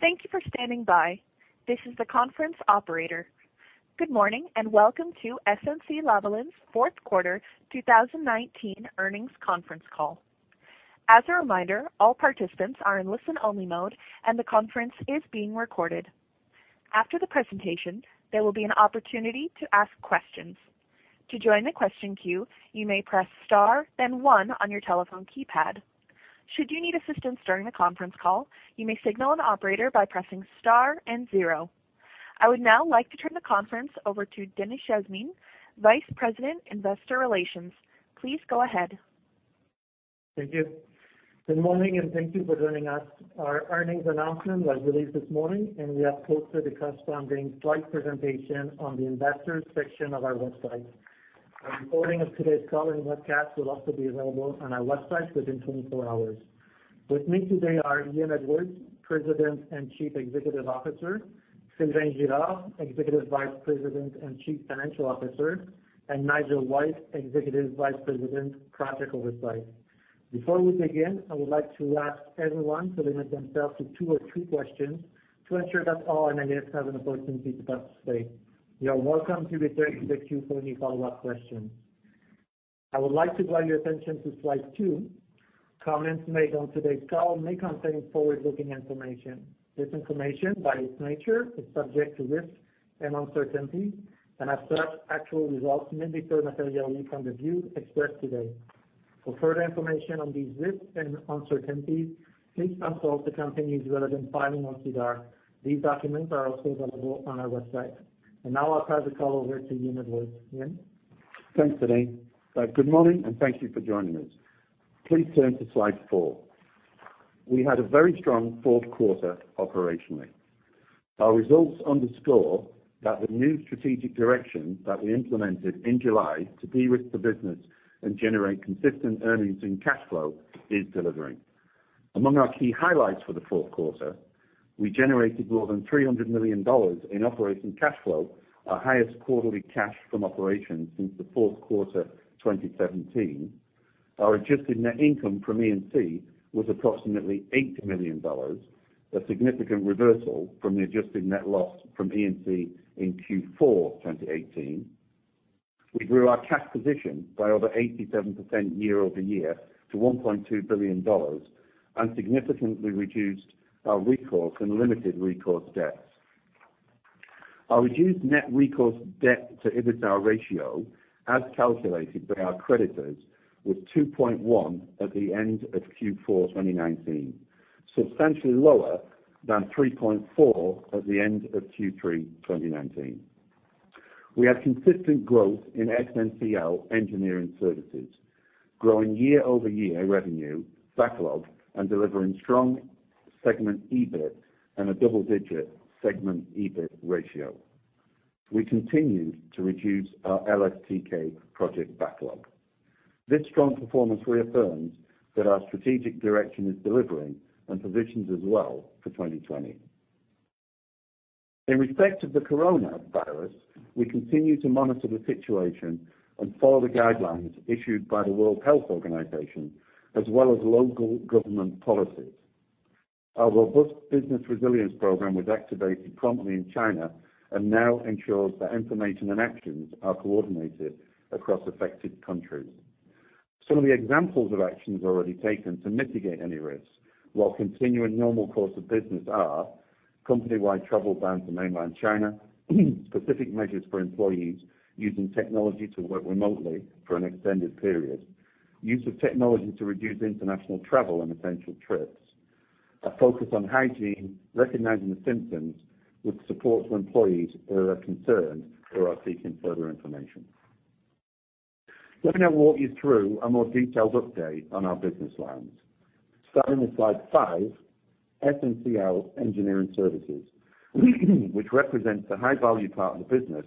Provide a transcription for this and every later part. Thank you for standing by. This is the conference operator. Good morning, and welcome to SNC-Lavalin's fourth quarter 2019 earnings conference call. As a reminder, all participants are in listen-only mode, and the conference is being recorded. After the presentation, there will be an opportunity to ask questions. To join the question queue, you may press star then one on your telephone keypad. Should you need assistance during the conference call, you may signal an operator by pressing star and zero. I would now like to turn the conference over to Denis Jasmin, Vice President, Investor Relations. Please go ahead. Thank you. Good morning, and thank you for joining us. Our earnings announcement was released this morning, and we have posted the corresponding slide presentation on the investors section of our website. A recording of today's call and webcast will also be available on our website within 24 hours. With me today are Ian Edwards, President and Chief Executive Officer, Sylvain Girard, Executive Vice President and Chief Financial Officer, and Nigel White, Executive Vice President, Project Oversight. Before we begin, I would like to ask everyone to limit themselves to two or three questions to ensure that all analysts have an opportunity to ask today. You are welcome to return to the queue for any follow-up questions. I would like to draw your attention to slide two. Comments made on today's call may contain forward-looking information. This information, by its nature, is subject to risks and uncertainties, as such, actual results may differ materially from the views expressed today. For further information on these risks and uncertainties, please consult the company's relevant filings on SEDAR. These documents are also available on our website. Now I'll pass the call over to Ian Edwards. Ian? Thanks, Denis. Good morning, and thank you for joining us. Please turn to slide four. We had a very strong fourth quarter operationally. Our results underscore that the new strategic direction that we implemented in July to de-risk the business and generate consistent earnings and cash flow is delivering. Among our key highlights for the fourth quarter, we generated more than 300 million dollars in operating cash flow, our highest quarterly cash from operations since the fourth quarter of 2017. Our adjusted net income from E&C was approximately 8 million dollars, a significant reversal from the adjusted net loss from E&C in Q4 2018. We grew our cash position by over 87% year-over-year to 1.2 billion dollars and significantly reduced our recourse and limited recourse debts. Our reduced net recourse debt to EBITDA ratio, as calculated by our creditors, was 2.1 at the end of Q4 2019, substantially lower than 3.4 at the end of Q3 2019. We had consistent growth in SNCL Engineering Services, growing year-over-year revenue, backlog, and delivering strong segment EBIT and a double-digit segment EBIT ratio. We continued to reduce our LSTK project backlog. This strong performance reaffirms that our strategic direction is delivering and positions us well for 2020. In respect of the coronavirus, we continue to monitor the situation and follow the guidelines issued by the World Health Organization, as well as local government policies. Our robust business resilience program was activated promptly in China and now ensures that information and actions are coordinated across affected countries. Some of the examples of actions already taken to mitigate any risks while continuing normal course of business are company-wide travel bans to mainland China, specific measures for employees using technology to work remotely for an extended period, use of technology to reduce international travel and essential trips, a focus on hygiene, recognizing the symptoms, with support for employees who are concerned or are seeking further information. Let me now walk you through a more detailed update on our business lines. Starting with slide five, SNCL Engineering Services, which represents the high-value part of the business,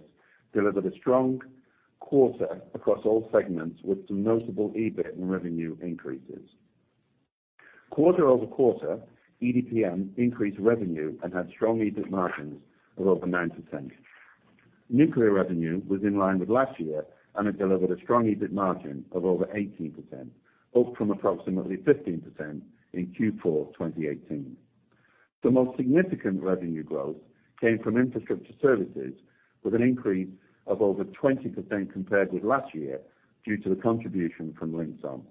delivered a strong quarter across all segments with some notable EBIT and revenue increases. Quarter-over-quarter, EDPM increased revenue and had strong EBIT margins of over 90%. Nuclear revenue was in line with last year, and it delivered a strong EBIT margin of over 18%, up from approximately 15% in Q4 2018. The most significant revenue growth came from infrastructure services, with an increase of over 20% compared with last year due to the contribution from Linxon.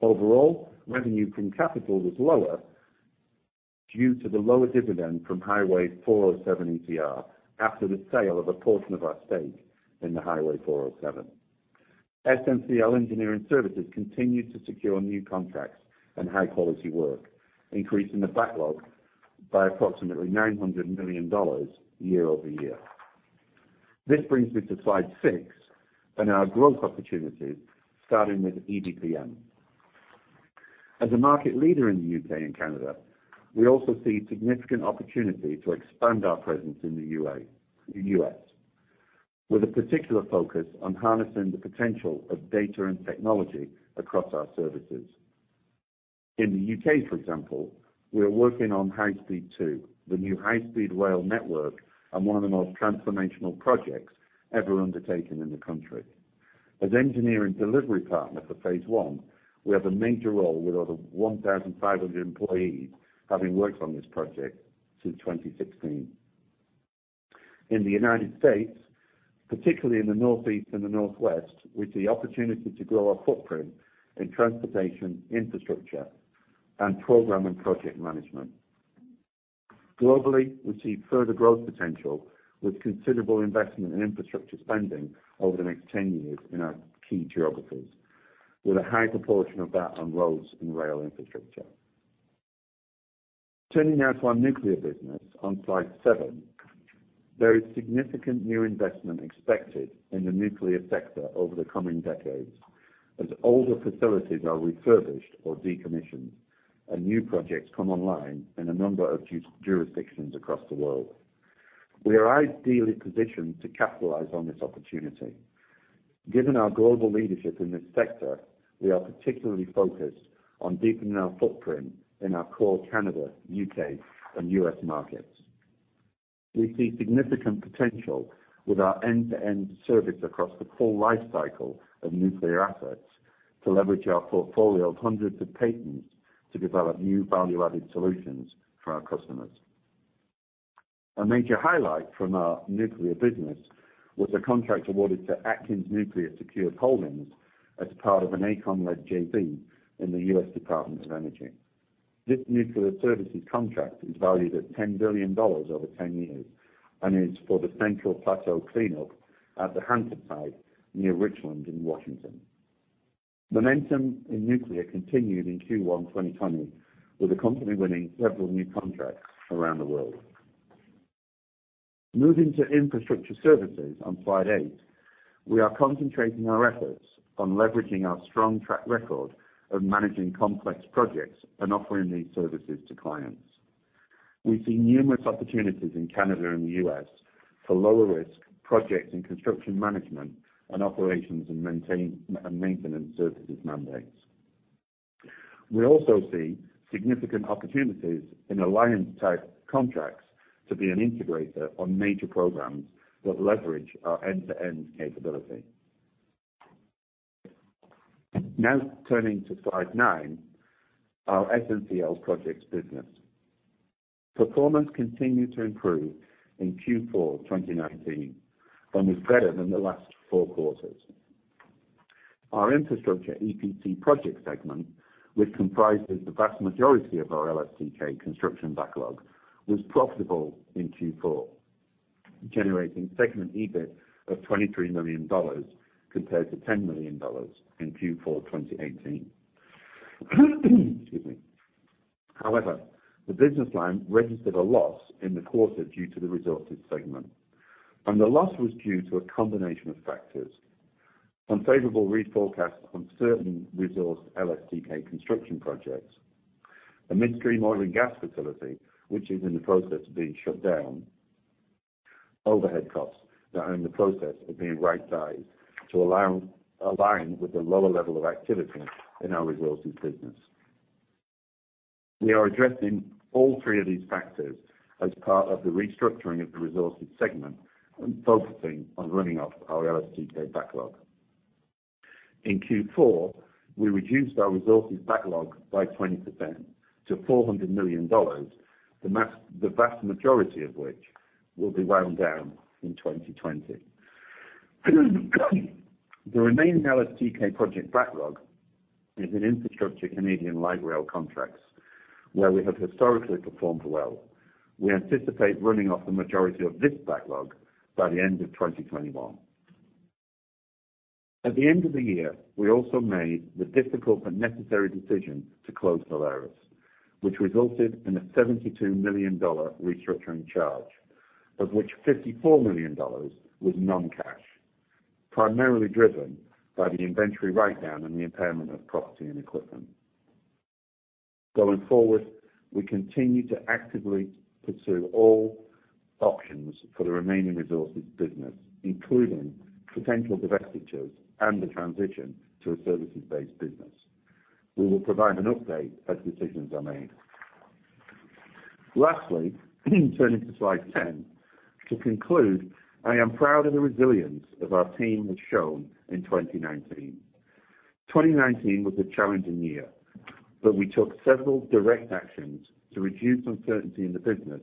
Overall, revenue from capital was lower due to the lower dividend from Highway 407 ETR after the sale of a portion of our stake in the Highway 407. SNCL Engineering Services continued to secure new contracts and high-quality work, increasing the backlog by approximately 900 million dollars year-over-year. This brings me to slide six and our growth opportunities, starting with EDPM. As a market leader in the U.K. and Canada, we also see significant opportunity to expand our presence in the U.S., with a particular focus on harnessing the potential of data and technology across our services. In the U.K., for example, we are working on High Speed 2, the new high-speed rail network and one of the most transformational projects ever undertaken in the country. As engineering delivery partner for Phase 1, we have a major role with over 1,500 employees having worked on this project since 2016. In the U.S., particularly in the Northeast and the Northwest, with the opportunity to grow our footprint in transportation, infrastructure, and program and project management. Globally, we see further growth potential with considerable investment in infrastructure spending over the next 10 years in our key geographies, with a high proportion of that on roads and rail infrastructure. Turning now to our nuclear business on Slide seven. There is significant new investment expected in the nuclear sector over the coming decades as older facilities are refurbished or decommissioned and new projects come online in a number of jurisdictions across the world. We are ideally positioned to capitalize on this opportunity. Given our global leadership in this sector, we are particularly focused on deepening our footprint in our core Canada, U.K., and U.S. markets. We see significant potential with our end-to-end service across the full life cycle of nuclear assets to leverage our portfolio of hundreds of patents to develop new value-added solutions for our customers. A major highlight from our nuclear business was a contract awarded to Atkins Nuclear Secured Holdings as part of an AECOM-led JV in the U.S. Department of Energy. This nuclear services contract is valued at 10 billion dollars over 10 years and is for the central plateau cleanup at the Hanford Site near Richland in Washington. Momentum in nuclear continued in Q1 2020, with the company winning several new contracts around the world. Moving to infrastructure services on Slide eight. We are concentrating our efforts on leveraging our strong track record of managing complex projects and offering these services to clients. We see numerous opportunities in Canada and the U.S. for lower-risk projects in construction management and operations and maintenance services mandates. We also see significant opportunities in alliance-type contracts to be an integrator on major programs that leverage our end-to-end capability. Turning to Slide nine, our SNCL Projects business. Performance continued to improve in Q4 2019 and was better than the last four quarters. Our infrastructure EPC project segment, which comprises the vast majority of our LSTK construction backlog, was profitable in Q4, generating segment EBIT of 23 million dollars compared to 10 million dollars in Q4 2018. Excuse me. The business line registered a loss in the quarter due to the Resources segment, and the loss was due to a combination of factors, unfavorable reforecast on certain resourced LSTK construction projects, a midstream oil and gas facility, which is in the process of being shut down, overhead costs that are in the process of being right-sized to align with the lower level of activity in our Resources business. We are addressing all three of these factors as part of the restructuring of the Resources segment and focusing on running off our LSTK backlog. In Q4, we reduced our resources backlog by 20% to 400 million dollars, the vast majority of which will be wound down in 2020. The remaining LSTK project backlog is in infrastructure Canadian light rail contracts, where we have historically performed well. We anticipate running off the majority of this backlog by the end of 2021. At the end of the year, we also made the difficult but necessary decision to close Valerus, which resulted in a 72 million dollar restructuring charge, of which 54 million dollars was non-cash, primarily driven by the inventory write-down and the impairment of property and equipment. Going forward, we continue to actively pursue all options for the remaining resources business, including potential divestitures and the transition to a services-based business. We will provide an update as decisions are made. Lastly, turning to Slide 10. To conclude, I am proud of the resilience that our team has shown in 2019. 2019 was a challenging year, but we took several direct actions to reduce uncertainty in the business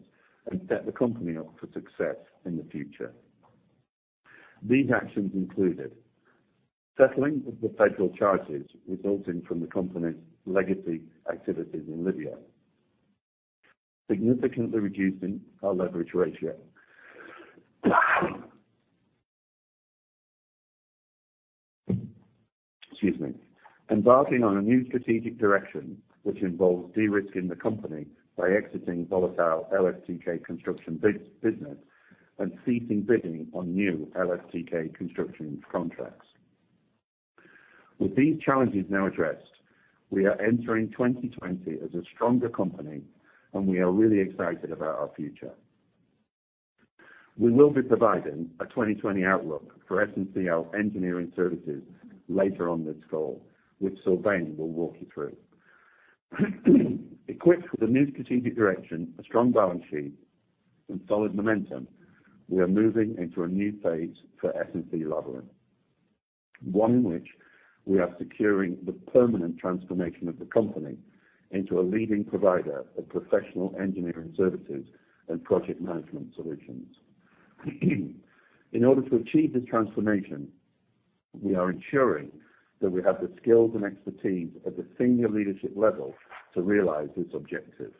and set the company up for success in the future. These actions included settling the federal charges resulting from the company's legacy activities in Libya, significantly reducing our leverage ratio. Excuse me. Embarking on a new strategic direction, which involves de-risking the company by exiting volatile LSTK construction business and ceasing bidding on new LSTK construction contracts. With these challenges now addressed, we are entering 2020 as a stronger company, and we are really excited about our future. We will be providing a 2020 outlook for SNCL Engineering Services later on this call, which Sylvain will walk you through. Equipped with a new strategic direction, a strong balance sheet, and solid momentum, we are moving into a new phase for SNC-Lavalin. One in which we are securing the permanent transformation of the company into a leading provider of professional engineering services and project management solutions. In order to achieve this transformation, we are ensuring that we have the skills and expertise at the senior leadership level to realize this objective.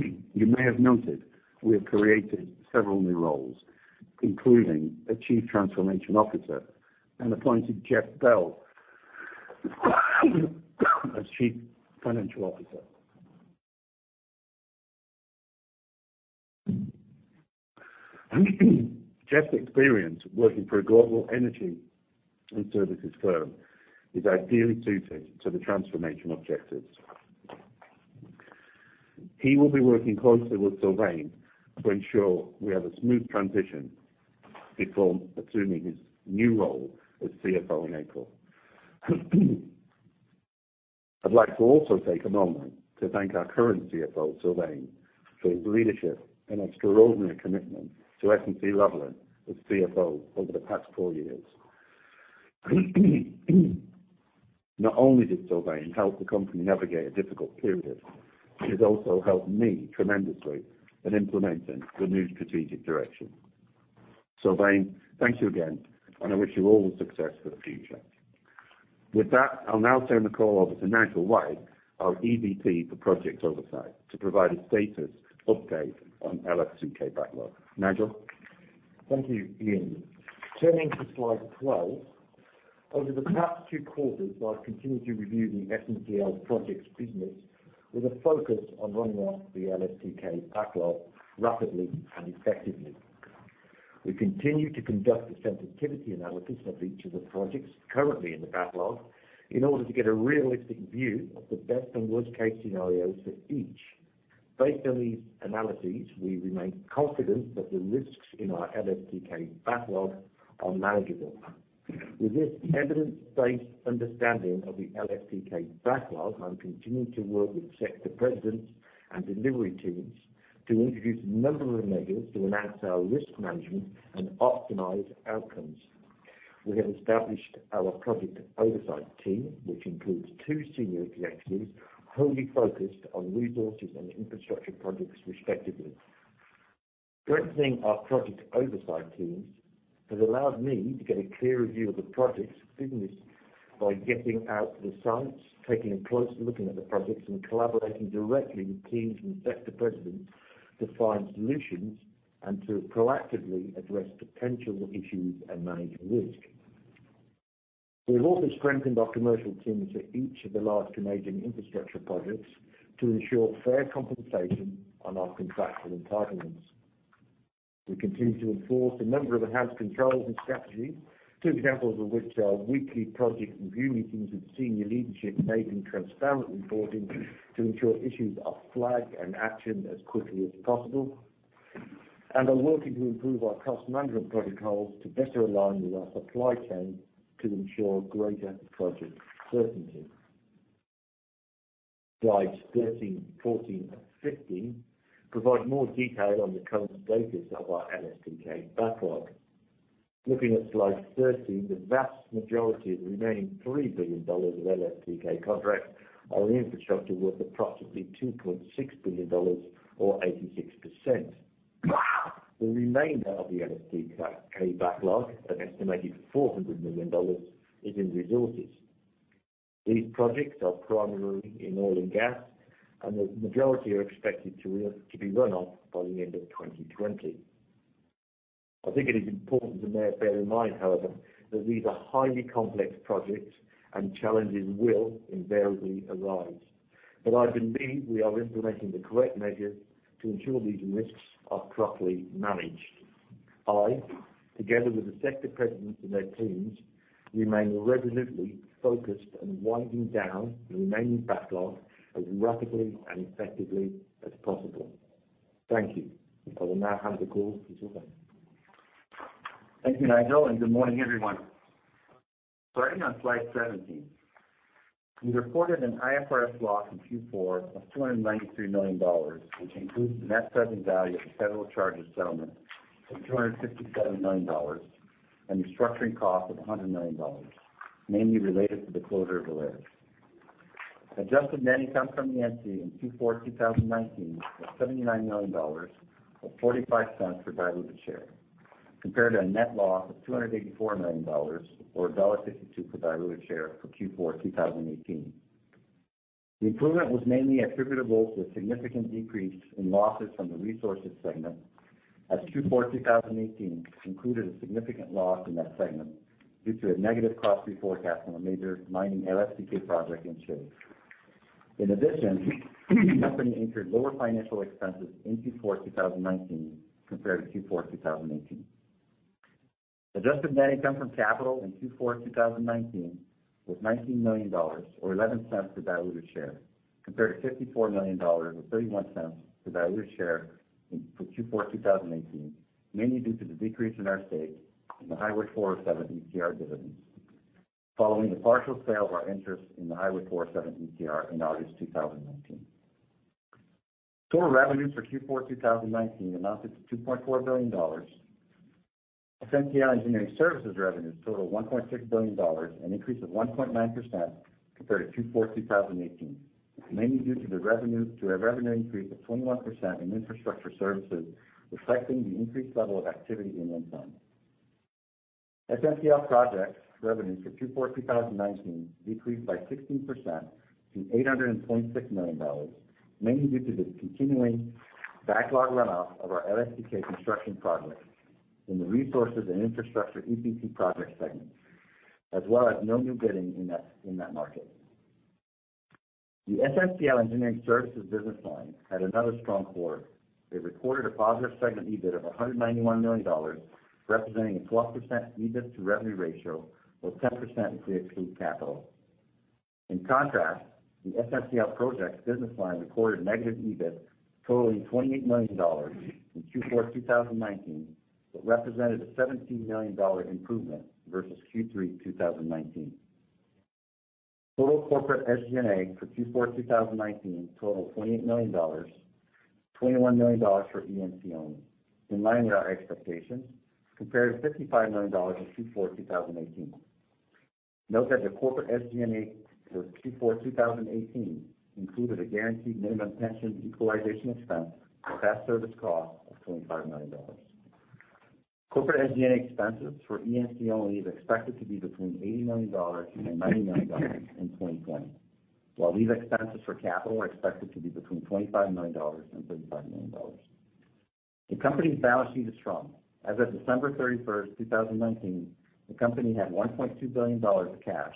You may have noted we have created several new roles, including a Chief Transformation Officer, and appointed Jeff Bell as Chief Financial Officer. Jeff's experience working for a global energy and services firm is ideally suited to the transformation objectives. He will be working closely with Sylvain to ensure we have a smooth transition before assuming his new role as CFO in April. I'd like to also take a moment to thank our current CFO, Sylvain, for his leadership and extraordinary commitment to SNC-Lavalin as CFO over the past four years. Not only did Sylvain help the company navigate a difficult period, he has also helped me tremendously in implementing the new strategic direction. Sylvain, thank you again, and I wish you all the success for the future. With that, I'll now turn the call over to Nigel White, our EVP for project oversight, to provide a status update on LSTK backlog. Nigel? Thank you, Ian. Turning to slide 12. Over the past two quarters, I have continued to review the SNCL Projects business with a focus on running off the LSTK backlog rapidly and effectively. We continue to conduct a sensitivity analysis of each of the projects currently in the backlog in order to get a realistic view of the best and worst case scenarios for each. Based on these analyses, we remain confident that the risks in our LSTK backlog are manageable. With this evidence-based understanding of the LSTK backlog, I am continuing to work with sector presidents and delivery teams to introduce a number of measures to enhance our risk management and optimize outcomes. We have established our project oversight team, which includes two senior executives wholly focused on resources and infrastructure projects respectively. Strengthening our project oversight teams has allowed me to get a clearer view of the projects business by getting out to the sites, taking a close look at the projects, and collaborating directly with teams and sector presidents to find solutions and to proactively address potential issues and manage risk. We have also strengthened our commercial teams at each of the large major infrastructure projects to ensure fair compensation on our contractual entitlements. We continue to enforce a number of enhanced controls and strategies, two examples of which are weekly project review meetings with senior leadership making transparent reporting to ensure issues are flagged and actioned as quickly as possible, and are working to improve our cost management protocols to better align with our supply chain to ensure greater project certainty. Slides 13, 14, and 15 provide more detail on the current status of our LSTK backlog. Looking at slide 13, the vast majority of the remaining 3 billion dollars of LSTK contracts are infrastructure worth approximately 2.6 billion dollars or 86%. The remainder of the LSTK backlog, an estimated CAD 400 million, is in Resources. These projects are primarily in oil and gas, and the majority are expected to be run off by the end of 2020. I think it is important to bear in mind, however, that these are highly complex projects and challenges will invariably arise. I believe we are implementing the correct measures to ensure these risks are properly managed. I, together with the sector presidents and their teams, remain resolutely focused on winding down the remaining backlog as rapidly and effectively as possible. Thank you. I will now hand the call to Sylvain. Thank you, Nigel, and good morning, everyone. Starting on slide 17. We reported an IFRS loss in Q4 of 293 million dollars, which includes the net present value of the federal charges settlement of 257 million dollars and restructuring costs of 100 million dollars, mainly related to the closure of Valerus. Adjusted net income from the entity in Q4 2019 was CAD 79 million or 0.45 per diluted share, compared to a net loss of CAD 284 million or CAD 1.52 per diluted share for Q4 2018. The improvement was mainly attributable to a significant decrease in losses from the resources segment, as Q4 2018 included a significant loss in that segment due to a negative cost forecast on a major mining LSTK project in Chile. In addition, the company incurred lower financial expenses in Q4 2019 compared to Q4 2018. Adjusted net income from capital in Q4 2019 was CAD 19 million or 0.11 per diluted share. Compared to 54 million dollars with 0.31 per value share for Q4 2018, mainly due to the decrease in our stake in the Highway 407 ETR dividends following the partial sale of our interest in the Highway 407 ETR in August 2019. Total revenue for Q4 2019 amounted to CAD 2.4 billion. SNCL Engineering Services revenue totaled 1.6 billion dollars, an increase of 1.9% compared to Q4 2018, mainly due to a revenue increase of 21% in infrastructure services, reflecting the increased level of activity in Ontario. SNC-Lavalin Projects revenue for Q4 2019 decreased by 16% to 826 million dollars, mainly due to the continuing backlog runoff of our LSTK construction projects in the resources and infrastructure EPC projects segment, as well as no new bidding in that market. The SNCL Engineering Services business line had another strong quarter. They recorded a positive segment EBIT of 191 million dollars, representing a 12% EBIT to revenue ratio or 10% if we exclude capital. In contrast, the SNCL Projects business line recorded negative EBIT totaling 28 million dollars in Q4 2019, but represented a 17 million dollar improvement versus Q3 2019. Total corporate SG&A for Q4 2019 totaled CAD 28 million, CAD 21 million for E&C only, in line with our expectations, compared to CAD 55 million in Q4 2018. Note that the corporate SG&A for Q4 2018 included a guaranteed minimum pension equalization expense or past service cost of 25 million dollars. Corporate SG&A expenses for E&C only is expected to be between 80 million-90 million dollars in 2020. While these expenses for capital are expected to be between 25 million-35 million dollars. The company's balance sheet is strong. As of December 31st, 2019, the company had 1.2 billion dollars of cash,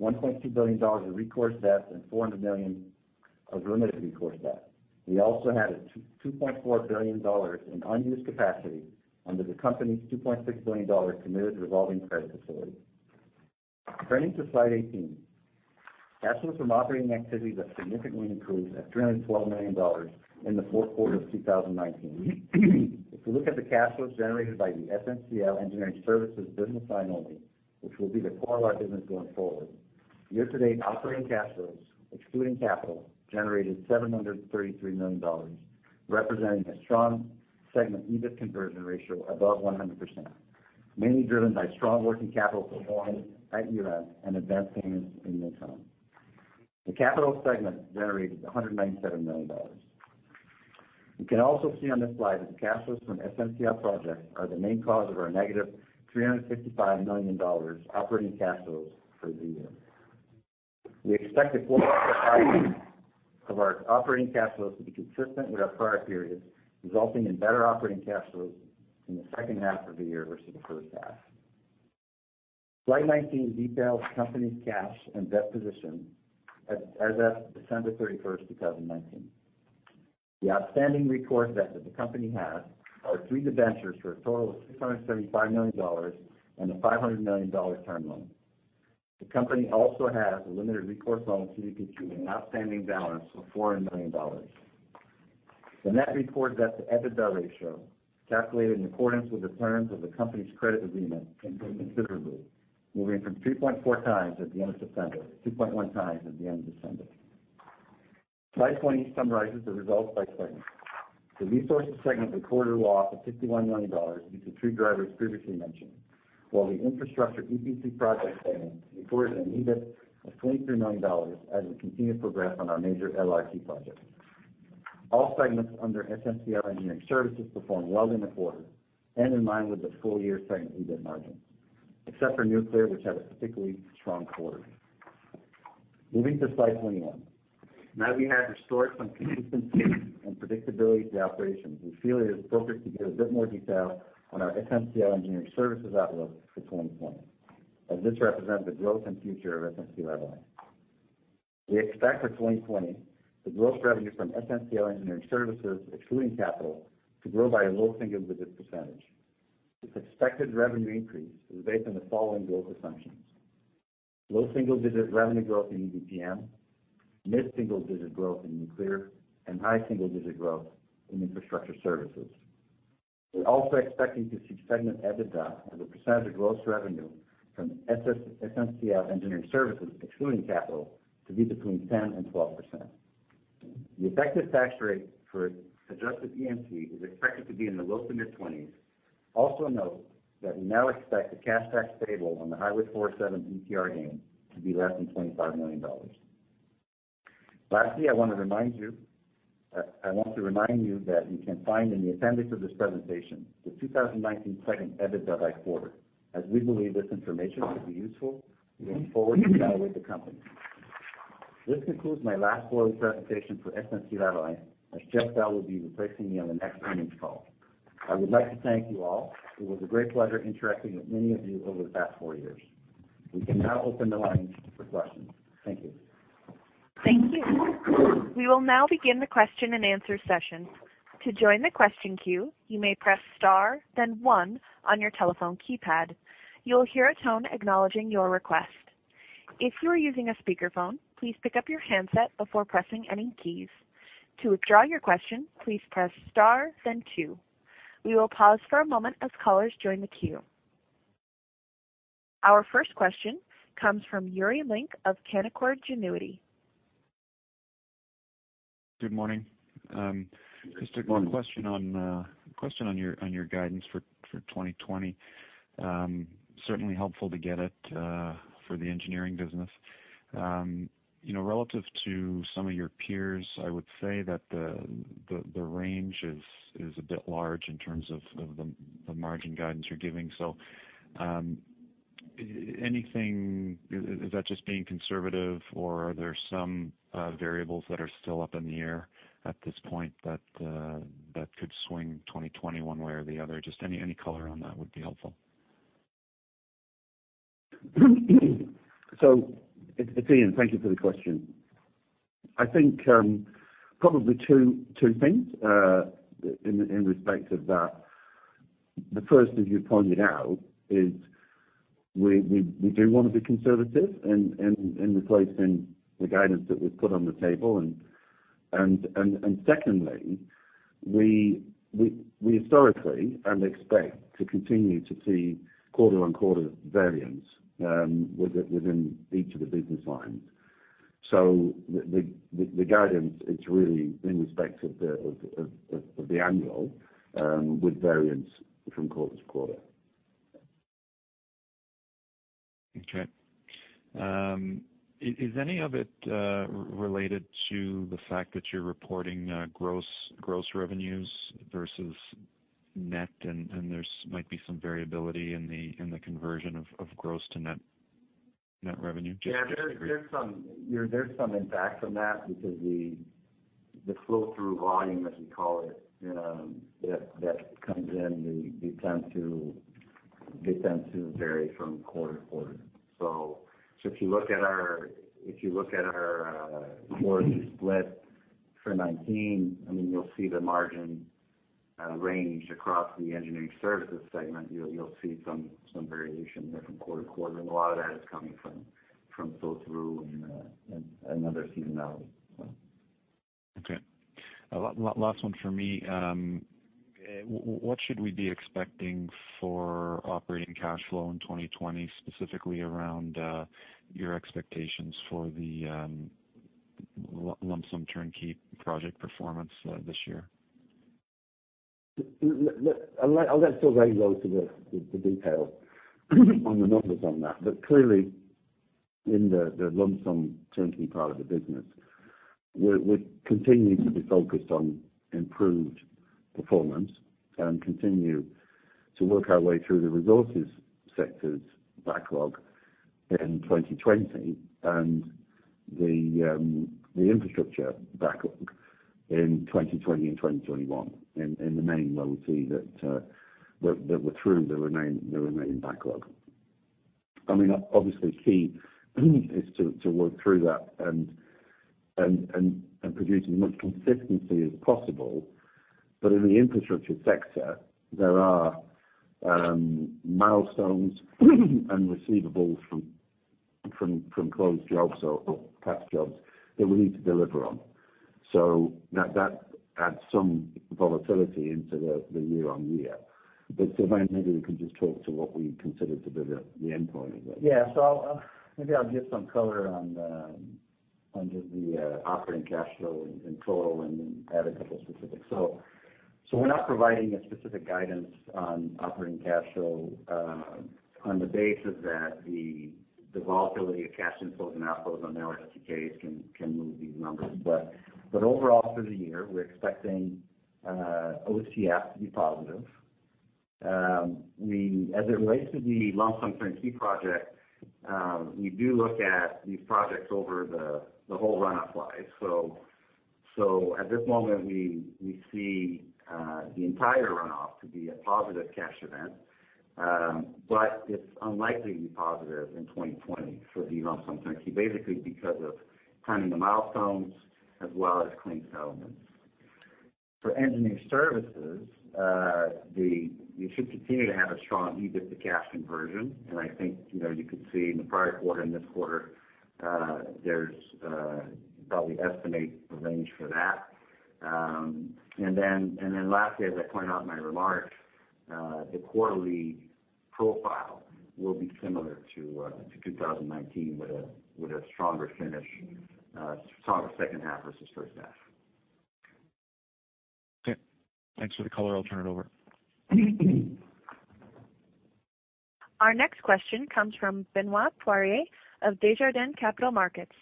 1.2 billion dollars of recourse debt, and 400 million of limited recourse debt. We also had 2.4 billion dollars in unused capacity under the company's 2.6 billion dollars committed revolving credit facility. Turning to slide 18. Cash flows from operating activities have significantly improved at 312 million dollars in the fourth quarter of 2019. If you look at the cash flows generated by the SNCL Engineering Services business line only, which will be the core of our business going forward, year-to-date operating cash flows, excluding capital, generated 733 million dollars, representing a strong segment EBIT conversion ratio above 100%, mainly driven by strong working capital performance at U.S. and advanced payments in mid-term. The capital segment generated 197 million dollars. You can also see on this slide that the cash flows from SNC-Lavalin Projects are the main cause of our negative 355 million dollars operating cash flows for the year. We expect the profile of our operating cash flows to be consistent with our prior periods, resulting in better operating cash flows in the second half of the year versus the first half. Slide 19 details the company's cash and debt position as of December 31st, 2019. The outstanding recourse debt that the company has are three debentures for a total of 675 million dollars and a 500 million dollar term loan. The company also has a limited recourse loan to PKQ with an outstanding balance of CAD 400 million. The net recourse debt to EBITDA ratio, calculated in accordance with the terms of the company's credit agreement, improved considerably, moving from 3.4x at the end of September, 2.1x at the end of December. Slide 20 summarizes the results by segment. The Resources segment recorded a loss of 51 million dollars due to three drivers previously mentioned. While the Infrastructure EPC project segment recorded an EBIT of 23 million dollars as we continue to progress on our major LRT projects. All segments under SNCL Engineering Services performed well in the quarter and in line with the full-year segment EBIT margins, except for Nuclear, which had a particularly strong quarter. Moving to slide 21. Now we have restored some consistency and predictability to operations, we feel it is appropriate to give a bit more detail on our SNCL Engineering Services outlook for 2020, as this represents the growth and future of SNC-Lavalin. We expect for 2020 the gross revenue from SNCL Engineering Services, excluding CapEx, to grow by a low single-digit %. This expected revenue increase is based on the following growth assumptions. Low single-digit revenue growth in EDPM, mid-single digit growth in nuclear, and high single-digit growth in infrastructure services. We're also expecting to see segment EBITDA as a percent of gross revenue from SNCL Engineering Services, excluding CapEx, to be between 10% and 12%. The effective tax rate for adjusted EDPM is expected to be in the low to mid-20s%. Note that we now expect the cash tax payable on the Highway 407 ETR gain to be less than 25 million dollars. Lastly, I want to remind you that you can find in the appendix of this presentation the 2019 segment EBITDA by quarter, as we believe this information to be useful going forward to evaluate the company. This concludes my last board presentation for SNC-Lavalin, as Jeff Bell will be replacing me on the next earnings call. I would like to thank you all. It was a great pleasure interacting with many of you over the past four years. We can now open the line for questions. Thank you. Thank you. We will now begin the question and answer session. To join the question queue, you may press star then one on your telephone keypad. You'll hear a tone acknowledging your request. If you are using a speakerphone, please pick up your handset before pressing any keys. To withdraw your question, please press star then two. We will pause for a moment as callers join the queue. Our first question comes from Yuri Lynk of Canaccord Genuity. Good morning. Good morning. Just a question on your guidance for 2020. Certainly helpful to get it for the engineering business. Relative to some of your peers, I would say that the range is a bit large in terms of the margin guidance you're giving. Is that just being conservative or are there some variables that are still up in the air at this point that could swing 2020 one way or the other? Just any color on that would be helpful. It's Ian, thank you for the question. I think probably two things in respect of that. The first, as you pointed out, is we do want to be conservative in replacing the guidance that we've put on the table. Secondly, we historically, and expect to continue to see quarter-on-quarter variance within each of the business lines. The guidance, it's really in respect of the annual with variance from quarter to quarter. Okay. Is any of it related to the fact that you're reporting gross revenues versus net, and there might be some variability in the conversion of gross to net revenue? Just curious. Yeah. There's some impact from that because the flow-through volume, as we call it, that comes in, they tend to vary from quarter to quarter. If you look at our quarterly split for 2019, you'll see the margin range across the Engineering Services segment. You'll see some variation there from quarter to quarter, and a lot of that is coming from flow-through and other seasonality, so. Okay. Last one from me. What should we be expecting for operating cash flow in 2020, specifically around your expectations for the lump-sum turnkey project performance this year? I'll let Sylvain go into the detail on the numbers on that. Clearly, in the Lump-Sum Turnkey part of the business, we're continuing to be focused on improved performance and continue to work our way through the Resources Sector's backlog in 2020 and the Infrastructure backlog in 2020 and 2021. In the main, we'll see that we're through the remaining backlog. Obviously, key is to work through that and produce as much consistency as possible. In the Infrastructure Sector, there are milestones and receivables from closed jobs or past jobs that we need to deliver on. That adds some volatility into the year-on-year. Sylvain, maybe you can just talk to what we consider to be the endpoint of it. Maybe I'll give some color on just the operating cash flow in total and then add a couple specifics. We're not providing a specific guidance on operating cash flow on the basis that the volatility of cash inflows and outflows on LSTKs can move these numbers. Overall, through the year, we're expecting OCF to be positive. As it relates to the lump-sum turnkey project, we do look at these projects over the whole runoff life. At this moment we see the entire runoff to be a positive cash event. It's unlikely to be positive in 2020 for the lump-sum turnkey, basically because of timing the milestones as well as claim settlements. For engineering services, you should continue to have a strong EBITDA cash conversion, and I think you could see in the prior quarter and this quarter, there's probably estimate range for that. Lastly, as I pointed out in my remarks, the quarterly profile will be similar to 2019 with a stronger second half versus first half. Okay. Thanks for the color. I'll turn it over. Our next question comes from Benoit Poirier of Desjardins Capital Markets.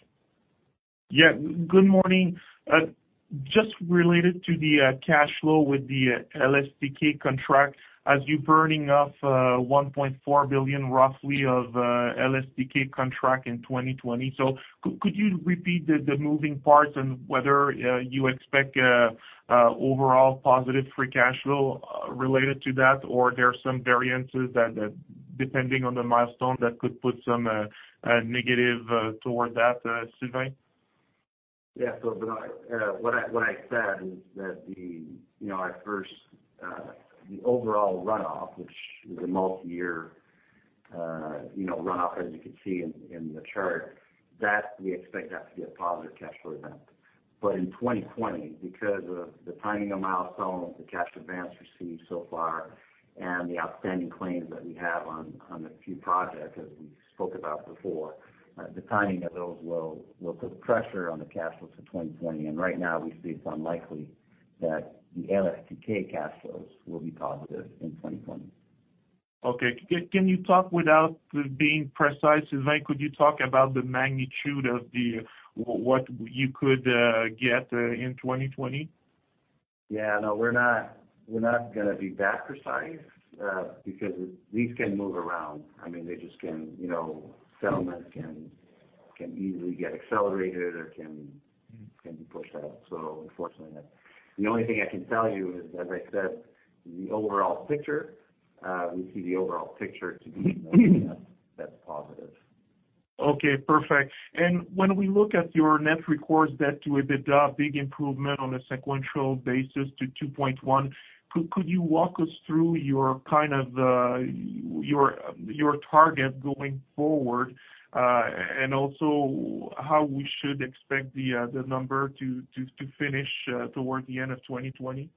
Yeah, good morning. Just related to the cash flow with the LSTK contract, as you're burning off 1.4 billion roughly of LSTK contract in 2020. Could you repeat the moving parts and whether you expect overall positive free cash flow related to that, or there are some variances that, depending on the milestone, that could put some negative toward that, Sylvain? Yeah. What I said is that the overall runoff, which is a multiyear runoff, as you can see in the chart, we expect that to be a positive cash flow event. In 2020, because of the timing of milestones, the cash advance received so far, and the outstanding claims that we have on a few projects, as we spoke about before, the timing of those will put pressure on the cash flows for 2020. Right now, we see it's unlikely that the LSTK cash flows will be positive in 2020. Okay. Can you talk without being precise, Sylvain, could you talk about the magnitude of what you could get in 2020? Yeah. No, we're not going to be that precise, because these can move around. Settlements can easily get accelerated or can be pushed out. Unfortunately, the only thing I can tell you is, as I said, the overall picture. We see the overall picture to be negative, that's positive. Okay, perfect. When we look at your net recourse debt to EBITDA, big improvement on a sequential basis to 2.1. Could you walk us through your target going forward? Also how we should expect the number to finish toward the end of 2020?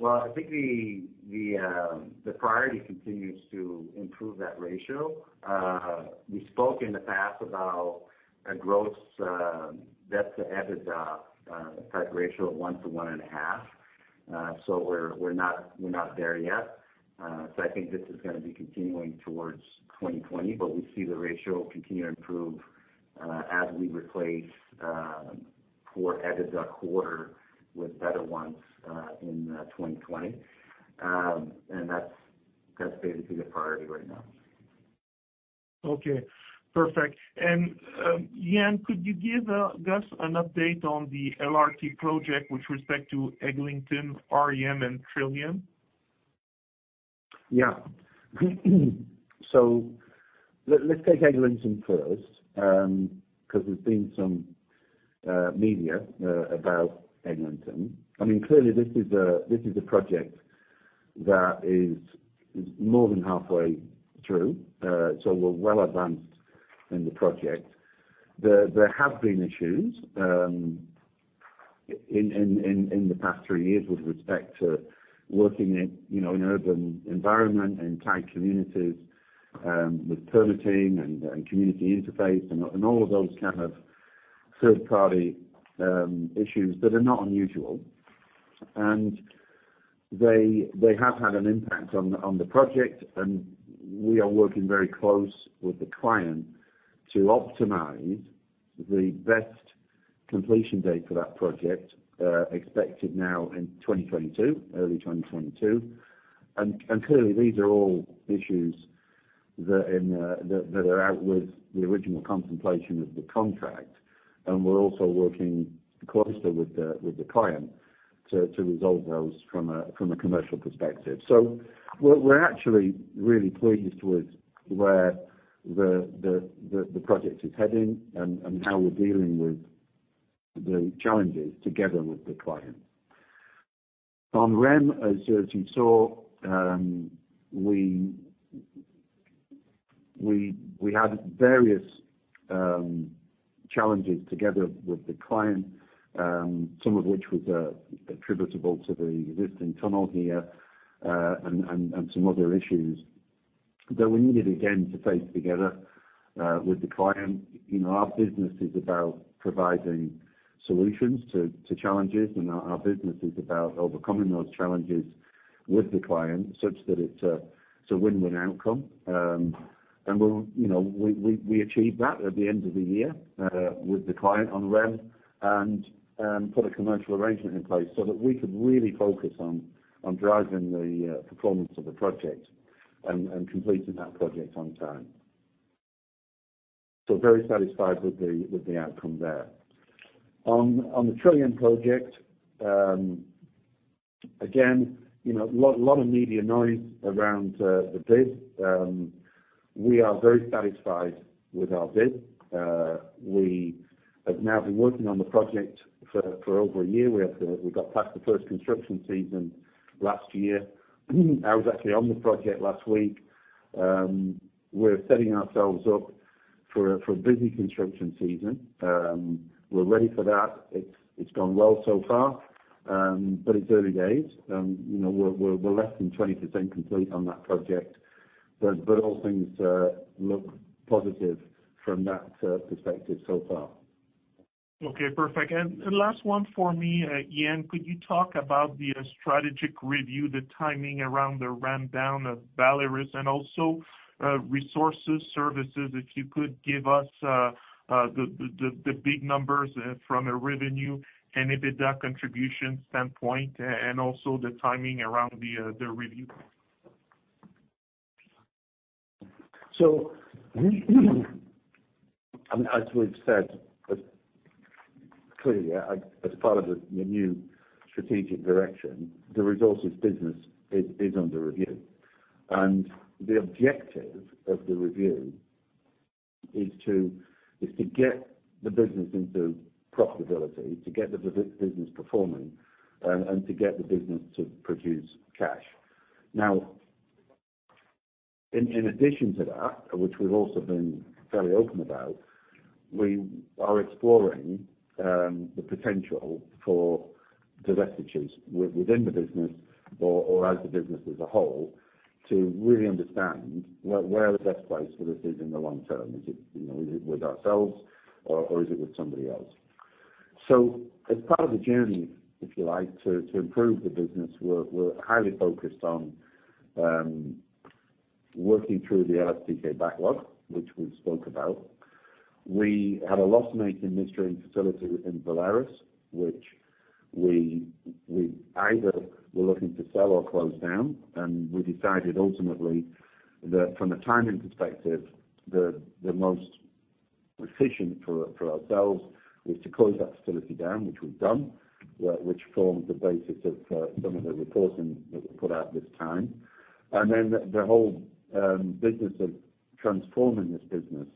Well, I think the priority continues to improve that ratio. We spoke in the past about a gross debt to EBITDA type ratio of one to one and a half. We're not there yet. I think this is going to be continuing towards 2020, but we see the ratio continue to improve as we replace poor EBITDA quarter with better ones in 2020. That's basically the priority right now. Okay, perfect. Ian, could you give us an update on the LRT project with respect to Eglinton, REM, and Trillium? Yeah. Let's take Eglinton first, because there's been some media about Eglinton. Clearly, this is a project that is more than halfway through, so we're well advanced in the project. There have been issues in the past three years with respect to working in urban environment and tight communities, with permitting and community interface and all of those kind of third-party issues that are not unusual. They have had an impact on the project, and we are working very close with the client to optimize the best completion date for that project, expected now in early 2022. Clearly, these are all issues that are out with the original contemplation of the contract, and we're also working closely with the client to resolve those from a commercial perspective. We're actually really pleased with where the project is heading and how we're dealing with the challenges together with the client. On REM, as you saw, we had various challenges together with the client, some of which was attributable to the existing tunnel here, and some other issues that we needed, again, to face together with the client. Our business is about providing solutions to challenges, and our business is about overcoming those challenges with the client such that it's a win-win outcome. We achieved that at the end of the year with the client on REM and put a commercial arrangement in place so that we could really focus on driving the performance of the project and completing that project on time. Very satisfied with the outcome there. On the Trillium project, again, a lot of media noise around the bid. We are very satisfied with our bid. We have now been working on the project for over a year. We got past the first construction season last year. I was actually on the project last week. We're setting ourselves up for a busy construction season. We're ready for that. It's gone well so far, but it's early days. We're less than 20% complete on that project. All things look positive from that perspective so far. Okay, perfect. Last one for me, Ian, could you talk about the strategic review, the timing around the ramp down of Valerus and also Resources, services, if you could give us the big numbers from a revenue and EBITDA contribution standpoint and also the timing around the review? As we've said, clearly, as part of the new strategic direction, the Resources business is under review. The objective of the review is to get the business into profitability, to get the business performing, and to get the business to produce cash. Now, in addition to that, which we've also been fairly open about, we are exploring the potential for divestitures within the business or as a business as a whole to really understand where the best place for this is in the long term. Is it with ourselves or is it with somebody else? As part of the journey, if you like, to improve the business, we're highly focused on working through the LSTK backlog, which we've spoke about. We had a loss-making midstream facility in Valerus, which we either were looking to sell or close down, and we decided ultimately that from a timing perspective, the most efficient for ourselves was to close that facility down, which we've done, which forms the basis of some of the reporting that we put out this time. The whole business of transforming this business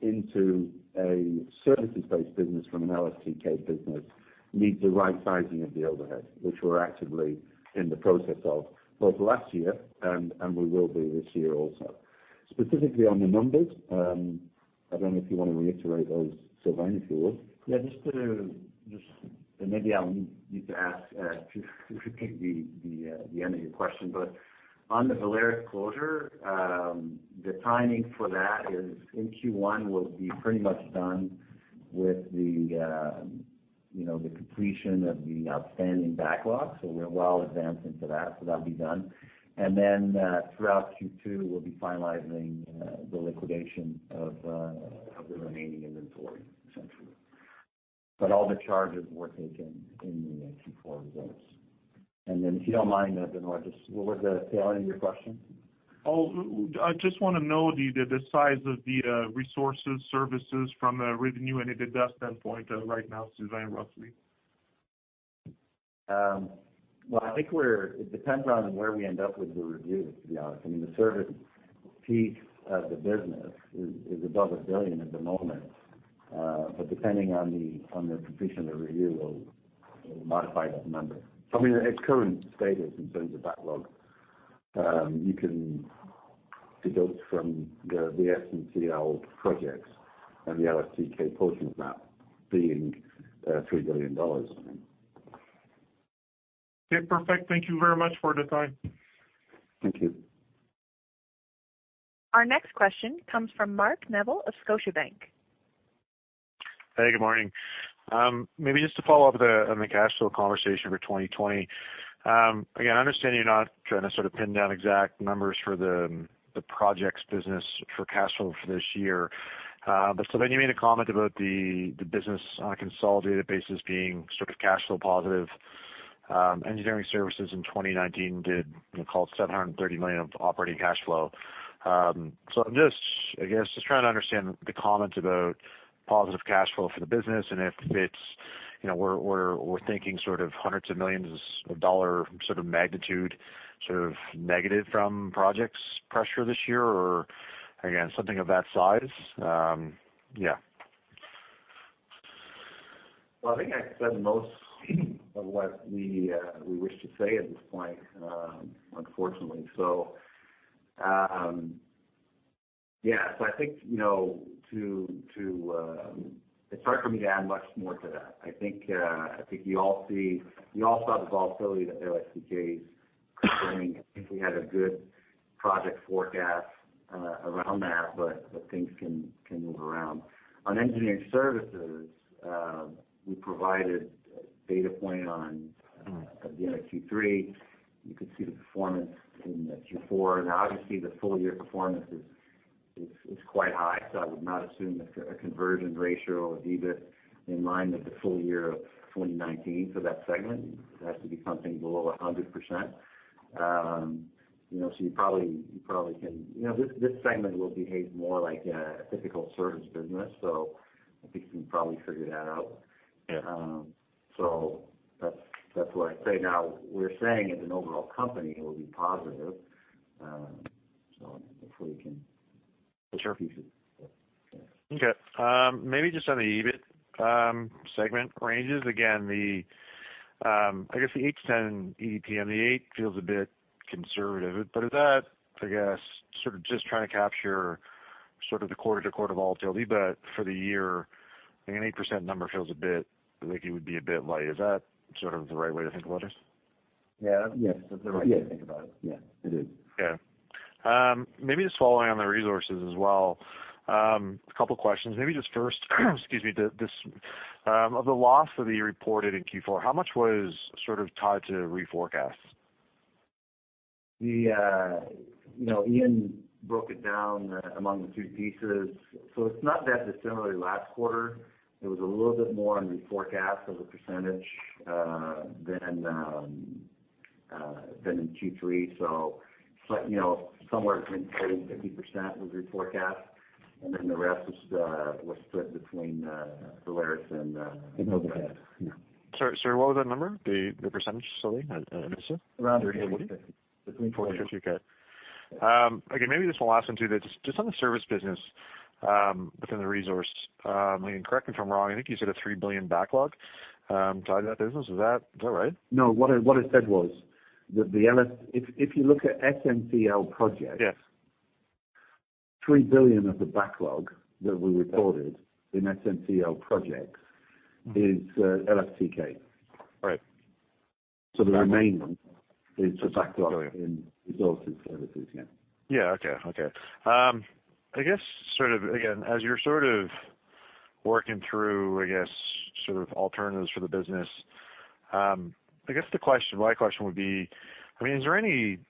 into a services-based business from an LSTK business needs the right sizing of the overhead, which we're actively in the process of, both last year and we will be this year also. Specifically on the numbers, I don't know if you want to reiterate those, Sylvain, if you would. Maybe I'll need to ask to repeat the end of your question. On the Velarus closure, the timing for that is in Q1 we'll be pretty much done with the completion of the outstanding backlog. We're well advanced into that, so that'll be done. Throughout Q2, we'll be finalizing the liquidation of the remaining inventory, essentially. All the charges were taken in the Q4 results. If you don't mind, Benoit, just what was the tail end of your question? Oh, I just want to know the size of the resources, services from a revenue and EBITDA standpoint right now, Sylvain, roughly. Well, I think it depends on where we end up with the review, to be honest. I mean, the service piece of the business is above 1 billion at the moment. Depending on the completion of the review, we'll modify that number. I mean, its current status in terms of backlog, you can deduct from the SNCL Projects and the LSTK portion of that being 3 billion dollars, I think. Yeah, perfect. Thank you very much for the time. Thank you. Our next question comes from Mark Neville of Scotiabank. Hey, good morning. Maybe just to follow up on the cash flow conversation for 2020. Again, I understand you're not trying to sort of pin down exact numbers for the projects business for cash flow for this year. Sylvain, you made a comment about the business on a consolidated basis being sort of cash flow positive. Engineering Services in 2019 did call it 730 million of operating cash flow. I'm just, I guess, trying to understand the comment about positive cash flow for the business and if it's we're thinking sort of hundreds of millions of CAD sort of magnitude, sort of negative from projects pressure this year or again, something of that size. Yeah. Well, I think I said the most of what we wish to say at this point, unfortunately. Yeah. I think it's hard for me to add much more to that. I think you all saw the volatility that LSTK is experiencing. I think we had a good project forecast around that, but things can move around. On Engineering Services, we provided a data point at the end of Q3. You could see the performance in the Q4. Obviously the full year performance is quite high, so I would not assume a conversion ratio or EBIT in line with the full year of 2019 for that segment. It has to be something below 100%. This segment will behave more like a typical service business, so I think you can probably figure that out. Yeah. That's what I'd say. Now we're saying as an overall company, it will be positive. Hopefully you can piece it. Sure. Okay. Maybe just on the EBIT segment ranges. I guess the H10 EDPM on the eight feels a bit conservative. Is that, I guess, sort of just trying to capture sort of the quarter-to-quarter volatility, but for the year, I think an 8% number feels a bit like it would be a bit light. Is that sort of the right way to think about it? Yeah. Yes. That's the right way to think about it. Yeah. It is. Yeah. Maybe just following on the resources as well. A couple questions. Maybe just first excuse me. Of the loss that you reported in Q4, how much was sort of tied to reforecast? Ian broke it down among the two pieces. It's not that dissimilar to last quarter. It was a little bit more on reforecast as a percentage than in Q3. Somewhere between 30%-50% was your forecast, and then the rest was split between Valerus and overhead. Sorry, what was that number? The percentage, Sylvain, initially? Around 30%, 40%. 30%, 40%. Okay, maybe this one last one too, just on the service business within the Resources. Ian, correct me if I'm wrong, I think you said a 3 billion backlog tied to that business. Is that right? No, what I said was, if you look at SNCL Projects. Yes 3 billion of the backlog that we reported in SNCL Projects is LSTK. Right. The remaining is the backlog in Resources services. Yeah, okay. I guess, again, as you're working through alternatives for the business, I guess my question would be, presumably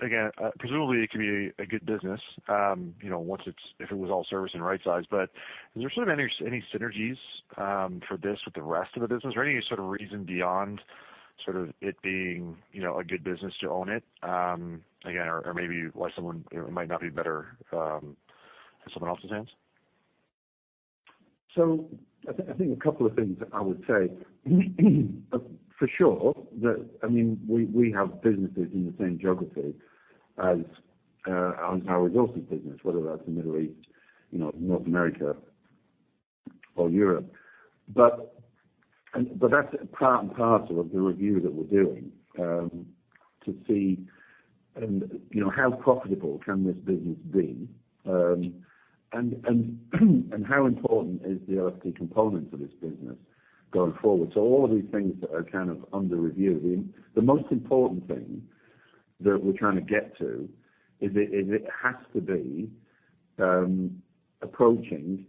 it could be a good business, if it was all service and right-sized. Is there any synergies for this with the rest of the business? Any reason beyond it being a good business to own it? Maybe why it might not be better in someone else's hands? I think a couple of things I would say. For sure, we have businesses in the same geography as our resources business, whether that's in Middle East, North America or Europe. That's part and parcel of the review that we're doing, to see how profitable can this business be and how important is the LSTK component of this business going forward. All of these things are under review. The most important thing that we're trying to get to is it has to be approaching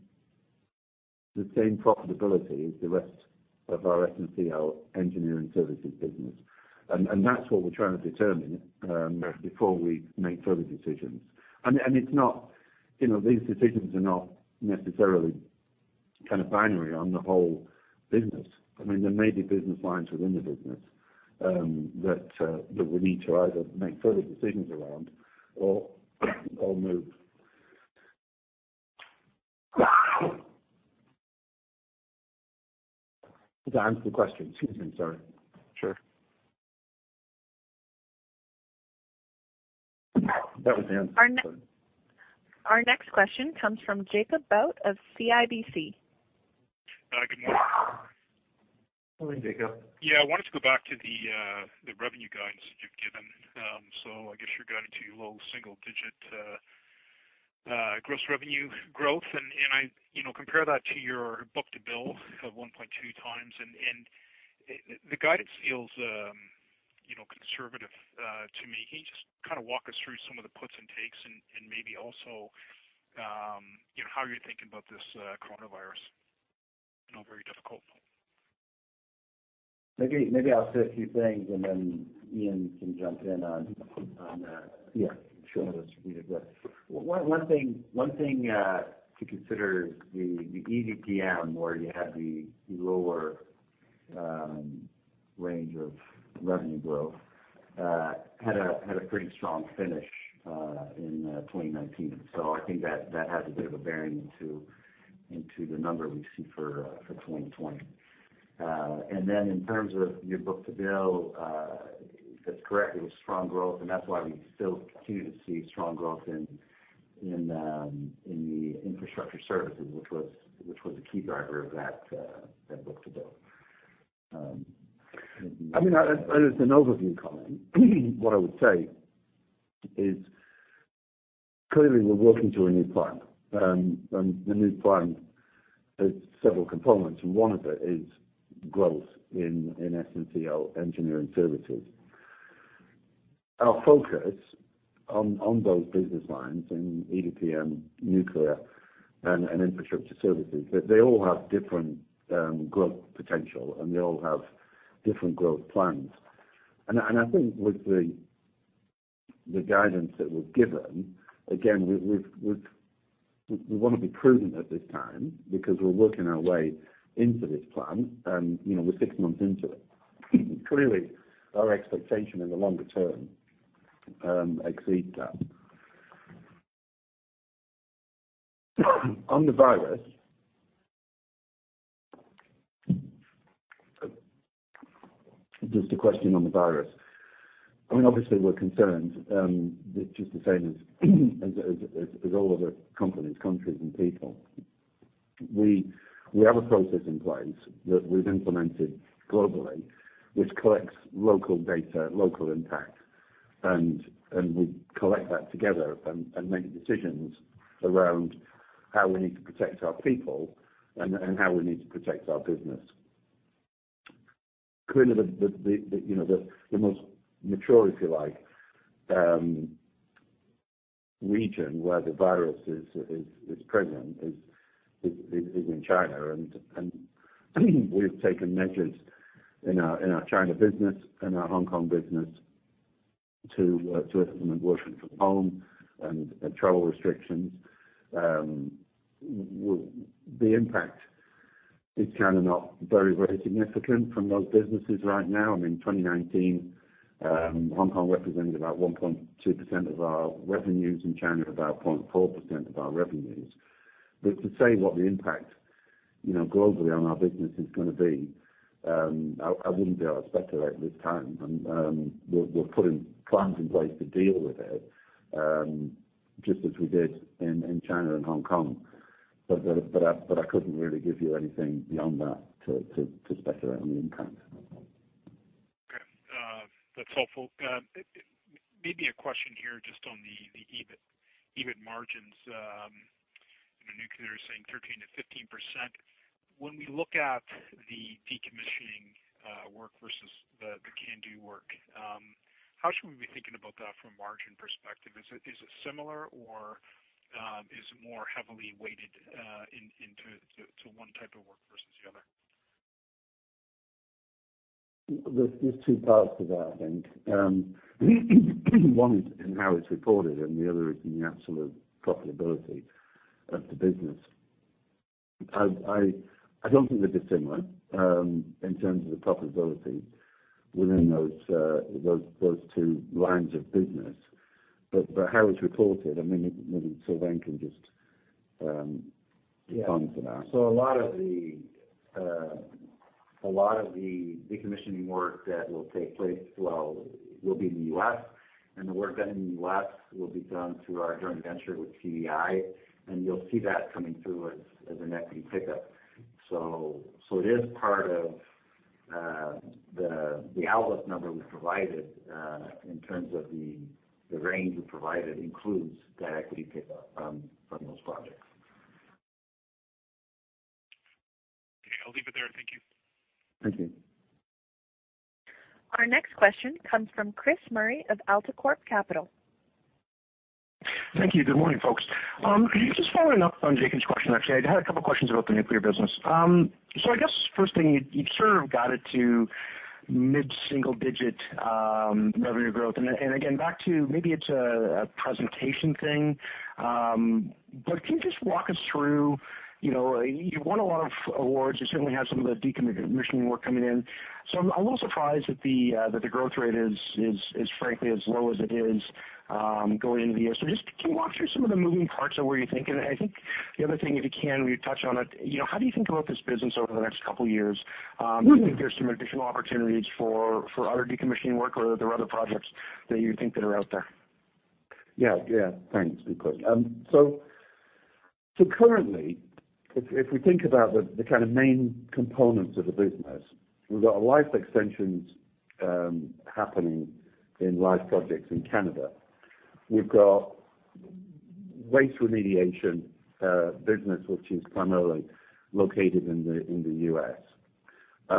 the same profitability as the rest of our SNCL Engineering Services business. That's what we're trying to determine before we make further decisions. These decisions are not necessarily binary on the whole business. There may be business lines within the business that we need to either make further decisions around or move. Did I answer the question? Excuse me, sorry. Sure. That was the answer. Sorry. Our next question comes from Jacob Bout of CIBC. Good morning. Morning, Jacob. Yeah, I wanted to go back to the revenue guidance that you've given. I guess you're guiding to low single digit gross revenue growth, and I compare that to your book-to-bill of 1.2x, and the guidance feels conservative to me. Can you just walk us through some of the puts and takes and maybe also how you're thinking about this coronavirus in a very difficult note? Maybe I'll say a few things and then Ian can jump in on that. Yeah, sure. One thing to consider is the EDPM, where you have the lower range of revenue growth, had a pretty strong finish in 2019. I think that has a bit of a bearing into the number we see for 2020. In terms of your book-to-bill, that's correct. It was strong growth, and that's why we still continue to see strong growth in the infrastructure services, which was the key driver of that book-to-bill. As an overview comment, what I would say is clearly we're working to a new plan. The new plan has several components, and one of it is growth in SNCL Engineering Services. Our focus on those business lines in EDPM, nuclear, and infrastructure services, that they all have different growth potential, and they all have different growth plans. I think with the guidance that we've given, again, we want to be prudent at this time because we're working our way into this plan. We're six months into it. Clearly, our expectation in the longer term exceeds that. On the virus. Just a question on the virus. Obviously, we're concerned, just the same as all other companies, countries, and people. We have a process in place that we've implemented globally, which collects local data, local impact, and we collect that together and make decisions around how we need to protect our people and how we need to protect our business. Clearly, the most mature, if you like, region where the virus is present is in China, and we've taken measures in our China business and our Hong Kong business to implement work from home and travel restrictions. The impact is kind of not very significant from those businesses right now. I mean, 2019, Hong Kong represented about 1.2% of our revenues, and China about 0.4% of our revenues. To say what the impact globally on our business is going to be, I wouldn't be able to speculate at this time. We're putting plans in place to deal with it, just as we did in China and Hong Kong. I couldn't really give you anything beyond that to speculate on the impact. Okay. That's helpful. Maybe a question here just on the EBIT margins. Nuclear is saying 13%-15%. When we look at the decommissioning work versus the CANDU work, how should we be thinking about that from a margin perspective? Is it similar or is it more heavily weighted to one type of work versus the other? There's two parts to that, I think. One is in how it's reported, and the other is in the absolute profitability of the business. I don't think they're dissimilar in terms of the profitability within those two lines of business. How it's reported, I mean, maybe Sylvain can just comment on that. A lot of the decommissioning work that will take place will be in the U.S., and the work done in the U.S. will be done through our joint venture with CDI, and you'll see that coming through as an equity pickup. It is part of the outlook number we provided, in terms of the range we provided includes that equity pickup from those projects. Okay. I'll leave it there. Thank you. Thank you. Our next question comes from Chris Murray of AltaCorp Capital. Thank you. Good morning, folks. Just following up on Jacob's question, actually, I had a couple questions about the nuclear business. I guess first thing, you've sort of got it to mid-single digit revenue growth. Again, back to maybe it's a presentation thing, but can you just walk us through, you won a lot of awards, you certainly have some of the decommissioning work coming in. I'm a little surprised that the growth rate is frankly as low as it is going into the year. Just can you walk through some of the moving parts of where you're thinking? I think the other thing, if you can, we touched on it, how do you think about this business over the next couple of years? Do you think there's some additional opportunities for other decommissioning work or are there other projects that you think that are out there? Yeah. Thanks. Currently, if we think about the kind of main components of the business, we've got life extensions happening in live projects in Canada. We've got waste remediation business, which is primarily located in the U.S.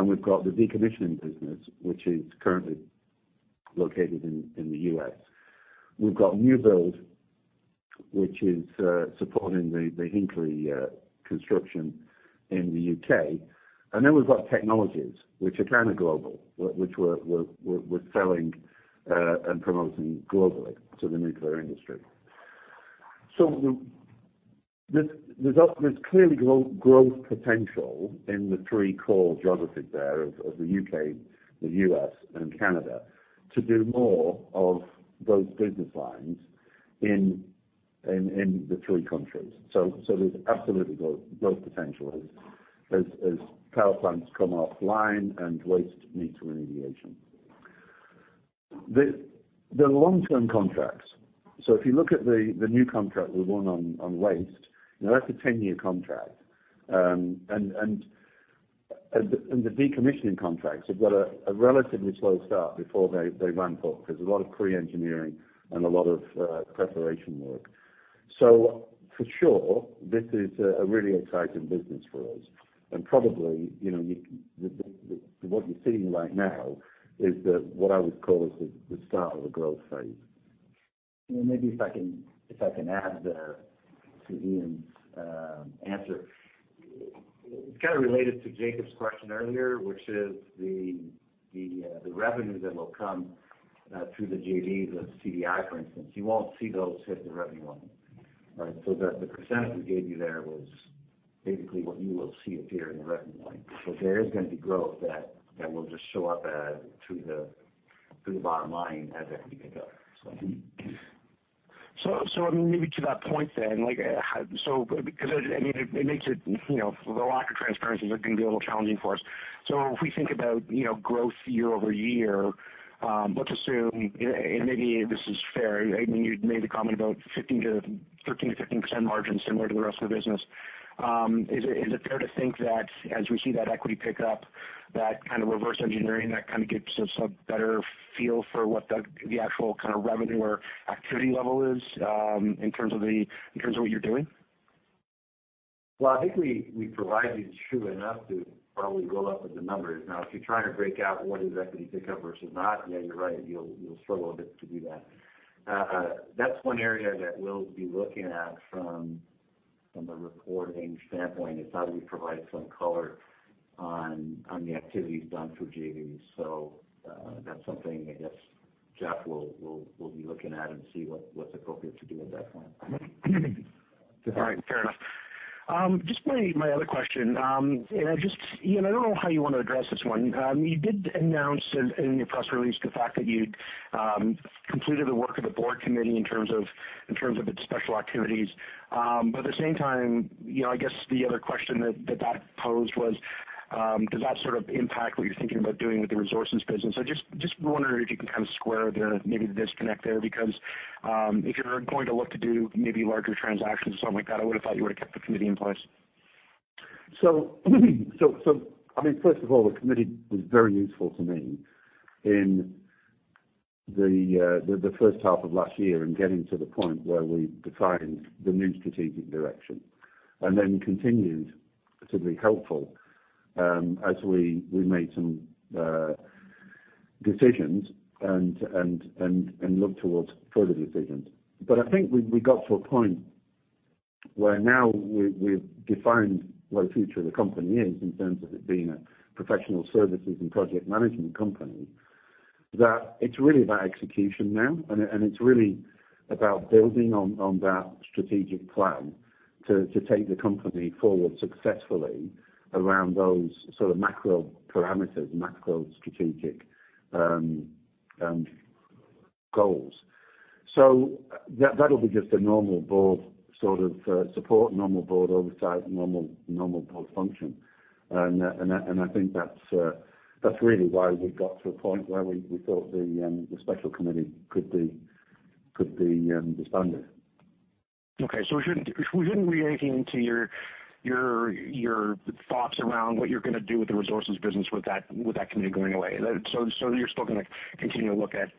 We've got the decommissioning business, which is currently located in the U.S. We've got new build, which is supporting the Hinkley construction in the U.K. We've got technologies, which are kind of global, which we're selling and promoting globally to the nuclear industry. There's clearly growth potential in the three core geographies there of the U.K., the U.S., and Canada to do more of those business lines in the three countries. There's absolutely growth potential as power plants come offline and waste needs remediation. They're long-term contracts. If you look at the new contract we won on waste, that's a 10-year contract. The decommissioning contracts have got a relatively slow start before they ramp up, because a lot of pre-engineering and a lot of preparation work. For sure, this is a really exciting business for us. Probably, what you're seeing right now is what I would call is the start of a growth phase. Maybe if I can add there to Ian's answer. It's kind of related to Jacob's question earlier, which is the revenue that will come through the JVs with CDI, for instance. You won't see those hit the revenue line, right? The percentage we gave you there was basically what you will see appear in the revenue line. There is going to be growth that will just show up through the bottom line as equity pickup. I mean, maybe to that point then, because it makes it, the lack of transparency is going to be a little challenging for us. If we think about growth year-over-year, let's assume, and maybe this is fair, I mean, you made the comment about 13%-15% margins similar to the rest of the business. Is it fair to think that as we see that equity pick up, that kind of reverse engineering, that kind of gives us a better feel for what the actual kind of revenue or activity level is in terms of what you're doing? Well, I think we provide you with enough to probably roll up with the numbers. If you're trying to break out what is equity pickup versus not, then you're right, you'll struggle a bit to do that. That's one area that we'll be looking at from a reporting standpoint, is how do we provide some color on the activities done through JVs. That's something, I guess, Jeff will be looking at and see what's appropriate to do at that point. All right. Fair enough. Just my other question, and I don't know how you want to address this one. You did announce in your press release the fact that you'd completed the work of the board committee in terms of its special activities. At the same time, I guess the other question that that posed was, does that sort of impact what you're thinking about doing with the resources business? I just wonder if you can kind of square maybe the disconnect there, because if you're going to look to do maybe larger transactions or something like that, I would have thought you would have kept the committee in place. First of all, the committee was very useful to me in the first half of last year in getting to the point where we defined the new strategic direction, and then continued to be helpful as we made some decisions and looked towards further decisions. I think we got to a point where now we've defined where the future of the company is in terms of it being a professional services and project management company, that it's really about execution now, and it's really about building on that strategic plan to take the company forward successfully around those sort of macro parameters, macro strategic goals. That'll be just a normal board sort of support, normal board oversight, normal board function. I think that's really why we got to a point where we thought the Special Committee could be disbanded. Okay. We shouldn't read anything into your thoughts around what you're going to do with the resources business with that committee going away. You're still going to continue to look at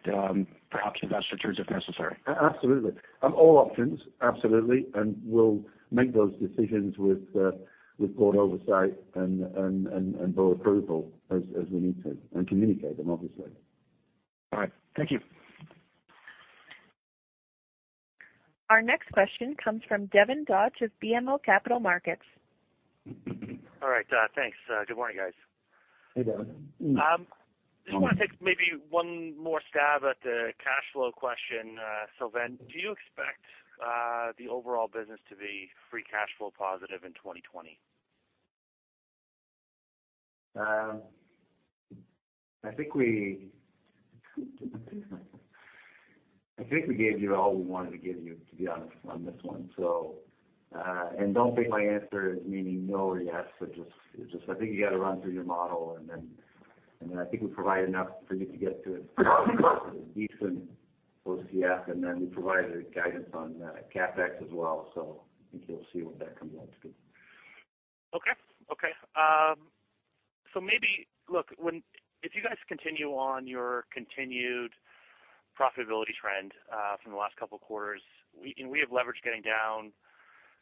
perhaps investors if necessary. Absolutely. All options, absolutely, and we'll make those decisions with board oversight and board approval as we need to, and communicate them, obviously. All right. Thank you. Our next question comes from Devin Dodge of BMO Capital Markets. All right. Thanks. Good morning, guys. Hey, Devin. Just want to take maybe one more stab at the cash flow question, Sylvain. Do you expect the overall business to be free cash flow positive in 2020? I think we gave you all we wanted to give you, to be honest on this one. Don't take my answer as meaning no or yes, but just I think you got to run through your model, then I think we provide enough for you to get to a decent OCF, then we provide the guidance on CapEx as well. I think you'll see what that comes out to. Okay. Maybe, look, if you guys continue on your continued profitability trend from the last couple of quarters, and we have leverage getting down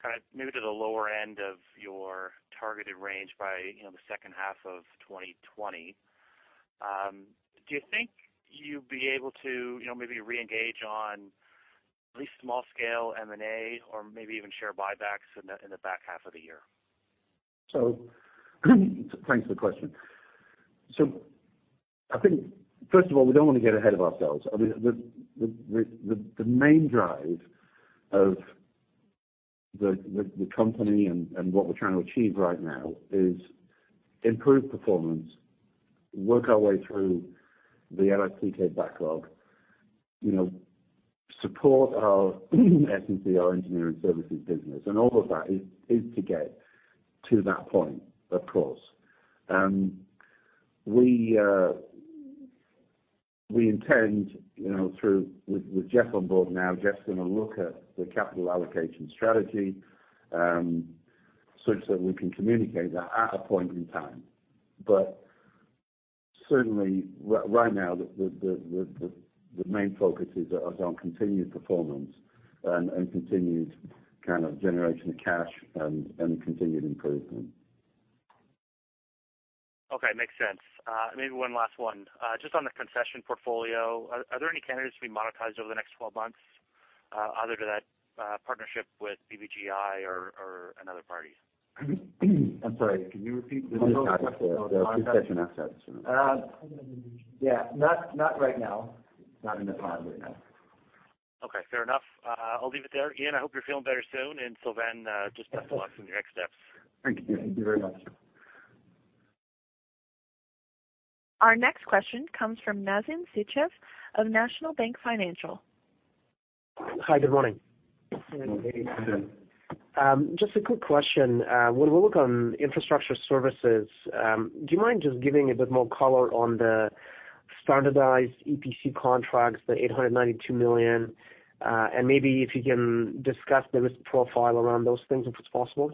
kind of maybe to the lower end of your targeted range by the second half of 2020, do you think you'd be able to maybe reengage on at least small scale M&A or maybe even share buybacks in the back half of the year? Thanks for the question. I think, first of all, we don't want to get ahead of ourselves. I mean, the main drive of the company and what we're trying to achieve right now is improve performance, work our way through the LSTK backlog, support our SNCL, our engineering services business. All of that is to get to that point, of course. We intend, with Jeff on board now, Jeff's going to look at the capital allocation strategy such that we can communicate that at a point in time. Certainly right now, the main focus is on continued performance and continued kind of generation of cash and continued improvement. Okay. Makes sense. Maybe one last one. Just on the concession portfolio, are there any candidates to be monetized over the next 12 months other than that partnership with BBGI or another party? I'm sorry, can you repeat the question? The concession assets. Yeah. Not right now. Not in the plan right now. Okay. Fair enough. I'll leave it there. Ian, I hope you're feeling better soon, and Sylvain, just best of luck on your next steps. Thank you. Thank you very much. Our next question comes from Maxim Sytchev of National Bank Financial. Hi. Good morning. Good morning. Just a quick question. When we look on infrastructure services, do you mind just giving a bit more color on the standardized EPC contracts, the 892 million, and maybe if you can discuss the risk profile around those things, if it's possible?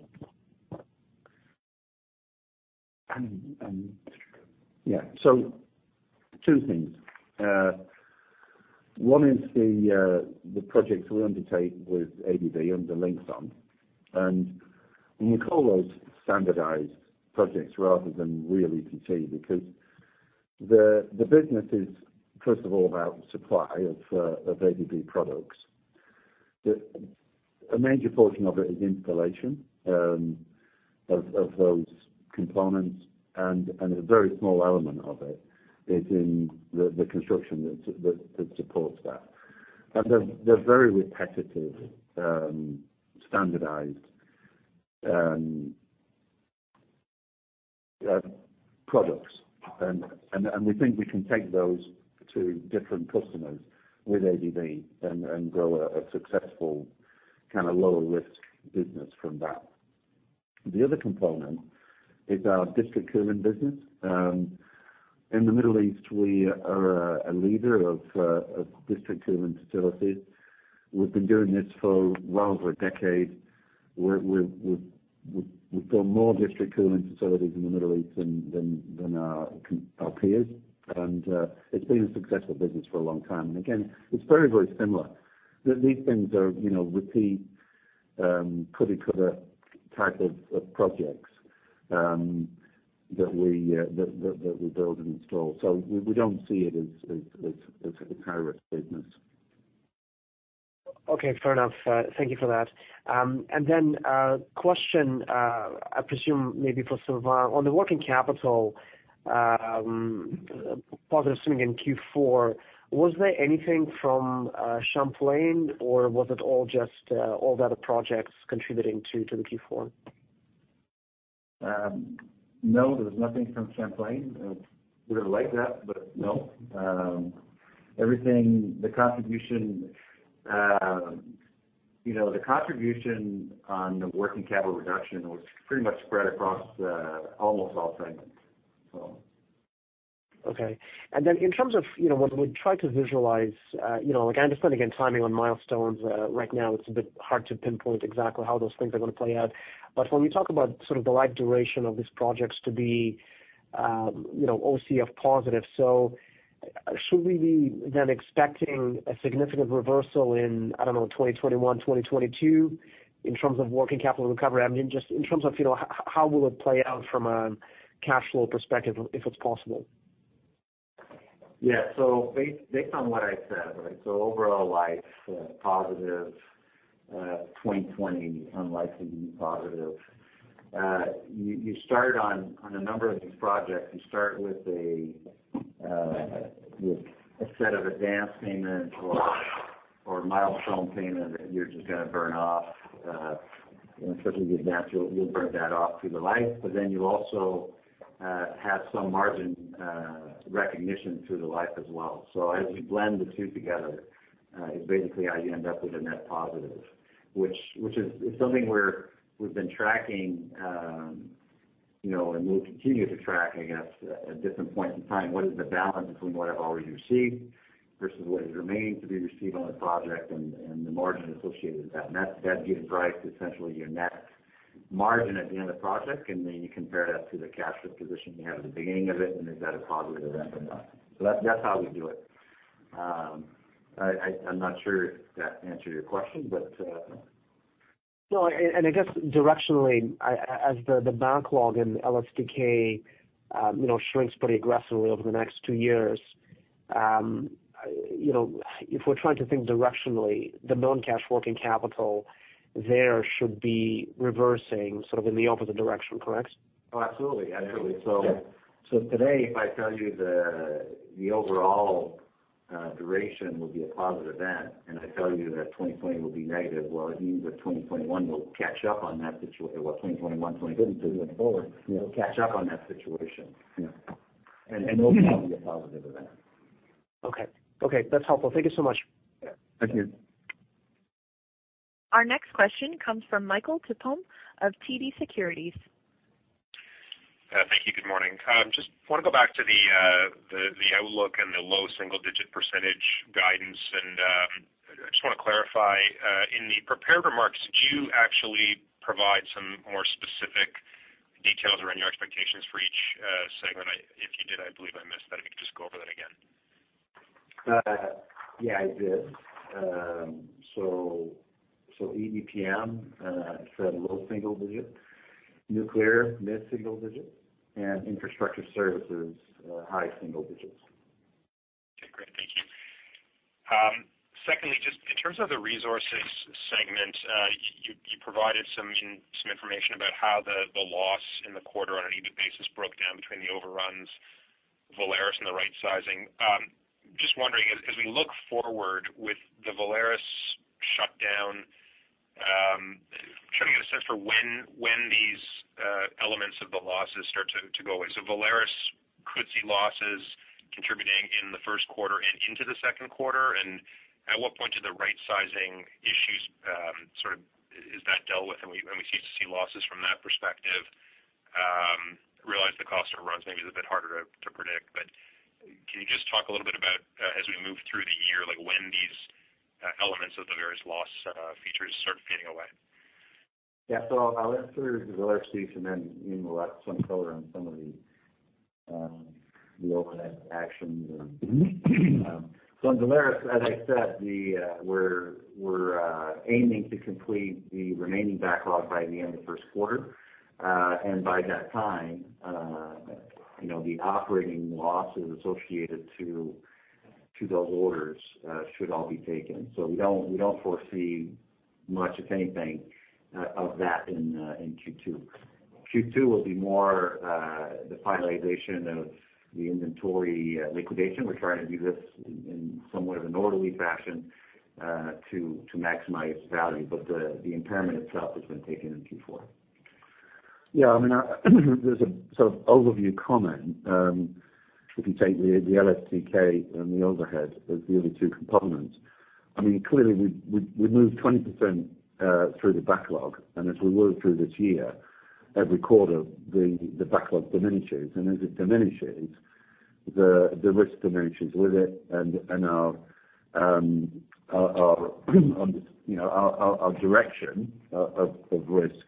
Yeah. Two things. One is the projects we undertake with ABB under Linxon. We call those standardized projects rather than real EPC, because the business is first of all about supply of ABB products. A major portion of it is installation of those components, and a very small element of it is in the construction that supports that. They're very repetitive, standardized products. We think we can take those to different customers with ABB and grow a successful kind of lower risk business from that. The other component is our district cooling business. In the Middle East, we are a leader of district cooling facilities. We've been doing this for well over a decade. We've done more district cooling facilities in the Middle East than our peers. It's been a successful business for a long time. Again, it's very similar. These things are repeat, cover type of projects that we build and install. We don't see it as a high-risk business. Okay. Fair enough. Thank you for that. A question, I presume maybe for Sylvain. On the working capital, positive swing in Q4, was there anything from Champlain or was it all just all the other projects contributing to the Q4? No, there was nothing from Champlain. We would've liked that, but no. The contribution on the working capital reduction was pretty much spread across almost all segments. Okay. Then in terms of when we try to visualize, I understand, again, timing on milestones. Right now, it's a bit hard to pinpoint exactly how those things are going to play out. When we talk about sort of the life duration of these projects to be OCF positive, should we be then expecting a significant reversal in, I don't know, 2021, 2022, in terms of working capital recovery? I mean, just in terms of how will it play out from a cash flow perspective, if it's possible? Based on what I said, right? Overall life, positive. 2020, unlikely to be positive. You start on a number of these projects, you start with a set of advanced payments or milestone payment that you're just going to burn off. Certainly the advance, you'll burn that off through the life. You also have some margin recognition through the life as well. As you blend the two together, it's basically how you end up with a net positive, which is something we've been tracking, and we'll continue to track, I guess, at different points in time. What is the balance between what I've already received versus what is remaining to be received on a project and the margin associated with that? That gives rise to essentially your net margin at the end of the project, and then you compare that to the cash position you have at the beginning of it, and is that a positive or negative? That's how we do it. I'm not sure if that answered your question. No, I guess directionally, as the backlog in LSTK shrinks pretty aggressively over the next two years, if we're trying to think directionally, the non-cash working capital there should be reversing sort of in the opposite direction, correct? Oh, absolutely. Absolutely. Yeah. Today, if I tell you the overall duration will be a positive event, and I tell you that 2020 will be negative, well, it means that 2021 will catch up on that situation. 2021, 2022 going forward. Yeah will catch up on that situation. Yeah. Hopefully be a positive event. Okay. That's helpful. Thank you so much. Yeah. Thank you. Our next question comes from Michael Tupholme of TD Securities. Thank you. Good morning. Just want to go back to the outlook and the low single-digit percentage guidance, and I just want to clarify, in the prepared remarks, did you actually provide some more specific details around your expectations for each segment? If you did, I believe I missed that. If you could just go over that again. Yeah, I did. EDPM, I said low single digit. Nuclear, mid-single digit, and Infrastructure Services, high single digits. Okay, great. Thank you. Just in terms of the Resources segment, you provided some information about how the loss in the quarter on an EBITDA basis broke down between the overruns, Valerus and the rightsizing. As we look forward with the Valerus shutdown, trying to get a sense for when these elements of the losses start to go away. Valerus could see losses contributing in the first quarter and into the second quarter. At what point do the rightsizing issues sort of is that dealt with and we cease to see losses from that perspective? I realize the cost overruns maybe is a bit harder to predict, can you just talk a little bit about, as we move through the year, when these elements of the various loss features start fading away? I'll answer the Valerus piece and then maybe more some color on the overhead actions. On Valerus, as I said, we're aiming to complete the remaining backlog by the end of the first quarter. By that time, the operating losses associated to those orders should all be taken. We don't foresee much of anything of that in Q2. Q2 will be more the finalization of the inventory liquidation. We're trying to do this in somewhat of an orderly fashion to maximize value. The impairment itself has been taken in Q4. Yeah. There is a sort of overview comment. If you take the LSTK and the overhead as the only two components, clearly, we have moved 20% through the backlog. As we work through this year, every quarter, the backlog diminishes. As it diminishes, the risk diminishes with it, and our direction of risk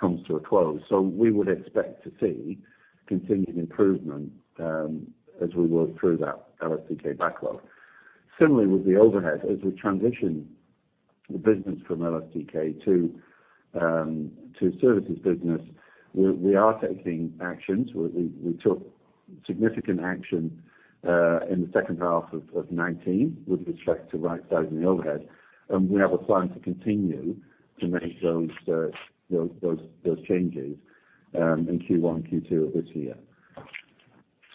comes to a close. We would expect to see continued improvement as we work through that LSTK backlog. Similarly, with the overhead, as we transition the business from LSTK to services business, we are taking actions. We took significant action in the second half of 2019 with respect to right-sizing the overhead, and we have a plan to continue to make those changes in Q1, Q2 of this year.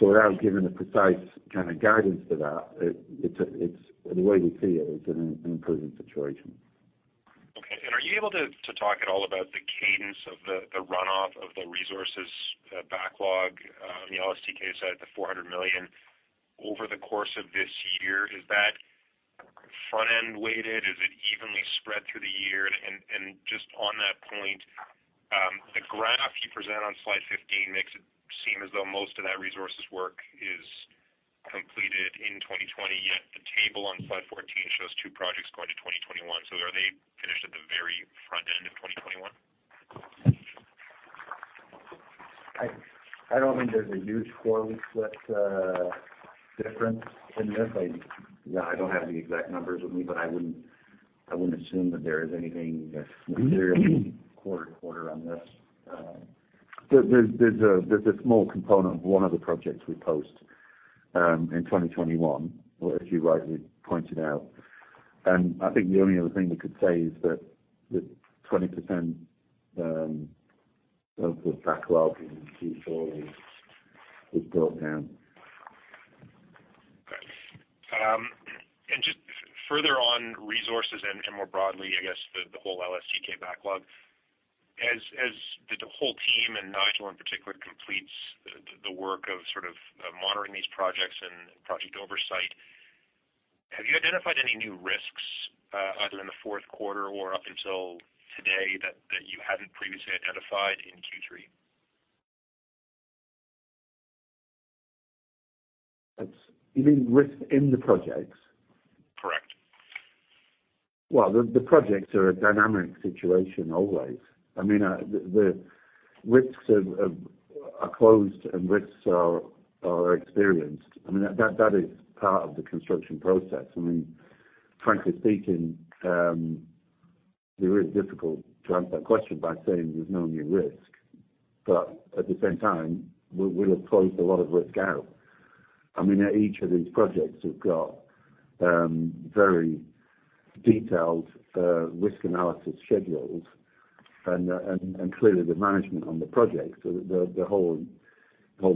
Without giving a precise kind of guidance for that, the way we see it is an improving situation. Okay. Are you able to talk at all about the cadence of the runoff of the resources backlog on the LSTK side, the 400 million, over the course of this year? Is that front-end weighted? Is it evenly spread through the year? Just on that point, the graph you present on slide 15 makes it seem as though most of that resources work is completed in 2020, yet the table on slide 14 shows two projects going to 2021. Are they finished at the very front end of 2021? I don't think there's a huge quarter split difference in this. I don't have the exact numbers with me, but I wouldn't assume that there is anything that's materially quarter on this. There's a small component of one of the projects we post in 2021, as you rightly pointed out. I think the only other thing we could say is that the 20% of the backlog in Q4 was built down. Okay. Just further on resources and more broadly, I guess, the whole LSTK backlog. As the whole team, and Nigel in particular, completes the work of sort of monitoring these projects and project oversight, have you identified any new risks, either in the fourth quarter or up until today, that you hadn't previously identified in Q3? You mean risk in the projects? Correct. Well, the projects are a dynamic situation always. The risks are closed, and risks are experienced. That is part of the construction process. Frankly speaking, it's really difficult to answer that question by saying there's no new risk. At the same time, we have closed a lot of risk out. Each of these projects have got very detailed risk analysis schedules. Clearly the management on the projects, the whole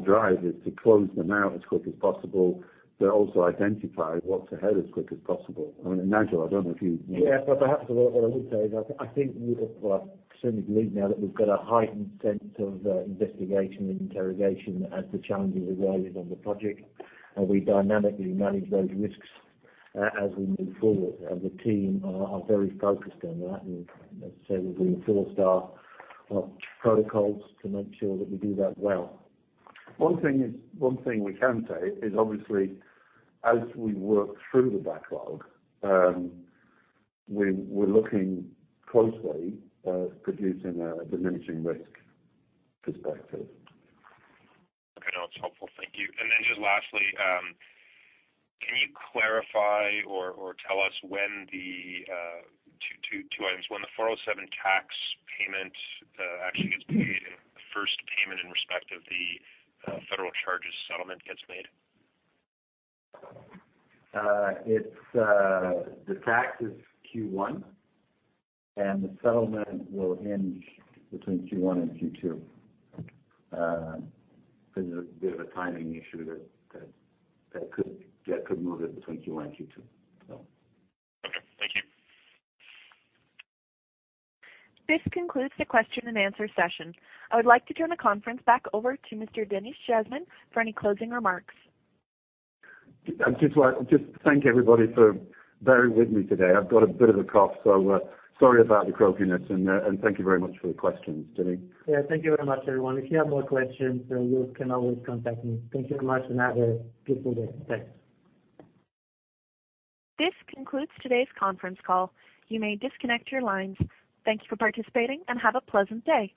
drive is to close them out as quick as possible, but also identify what's ahead as quick as possible. Nigel, I don't know if you- Yeah. Perhaps what I would say is, I certainly believe now that we've got a heightened sense of investigation and interrogation as the challenges arise on the project, and we dynamically manage those risks as we move forward. The team are very focused on that, and as I say, we've reinforced our protocols to make sure that we do that well. One thing we can say is obviously, as we work through the backlog, we're looking closely at producing a diminishing risk perspective. Okay. No, that's helpful. Thank you. Just lastly, can you clarify or tell us when the, two items, when the 407 tax payment actually gets paid and the first payment in respect of the federal charges settlement gets made? The tax is Q1. The settlement will hinge between Q1 and Q2. There's a bit of a timing issue that could move it between Q1 and Q2. Okay. Thank you. This concludes the question and answer session. I would like to turn the conference back over to Mr. Denis Jasmin for any closing remarks. I'd just like to thank everybody for bearing with me today. I've got a bit of a cough, so sorry about the croakiness, and thank you very much for the questions. Denis? Yeah. Thank you very much, everyone. If you have more questions, you can always contact me. Thank you very much, and have a good day. Thanks. This concludes today's conference call. You may disconnect your lines. Thank you for participating, and have a pleasant day.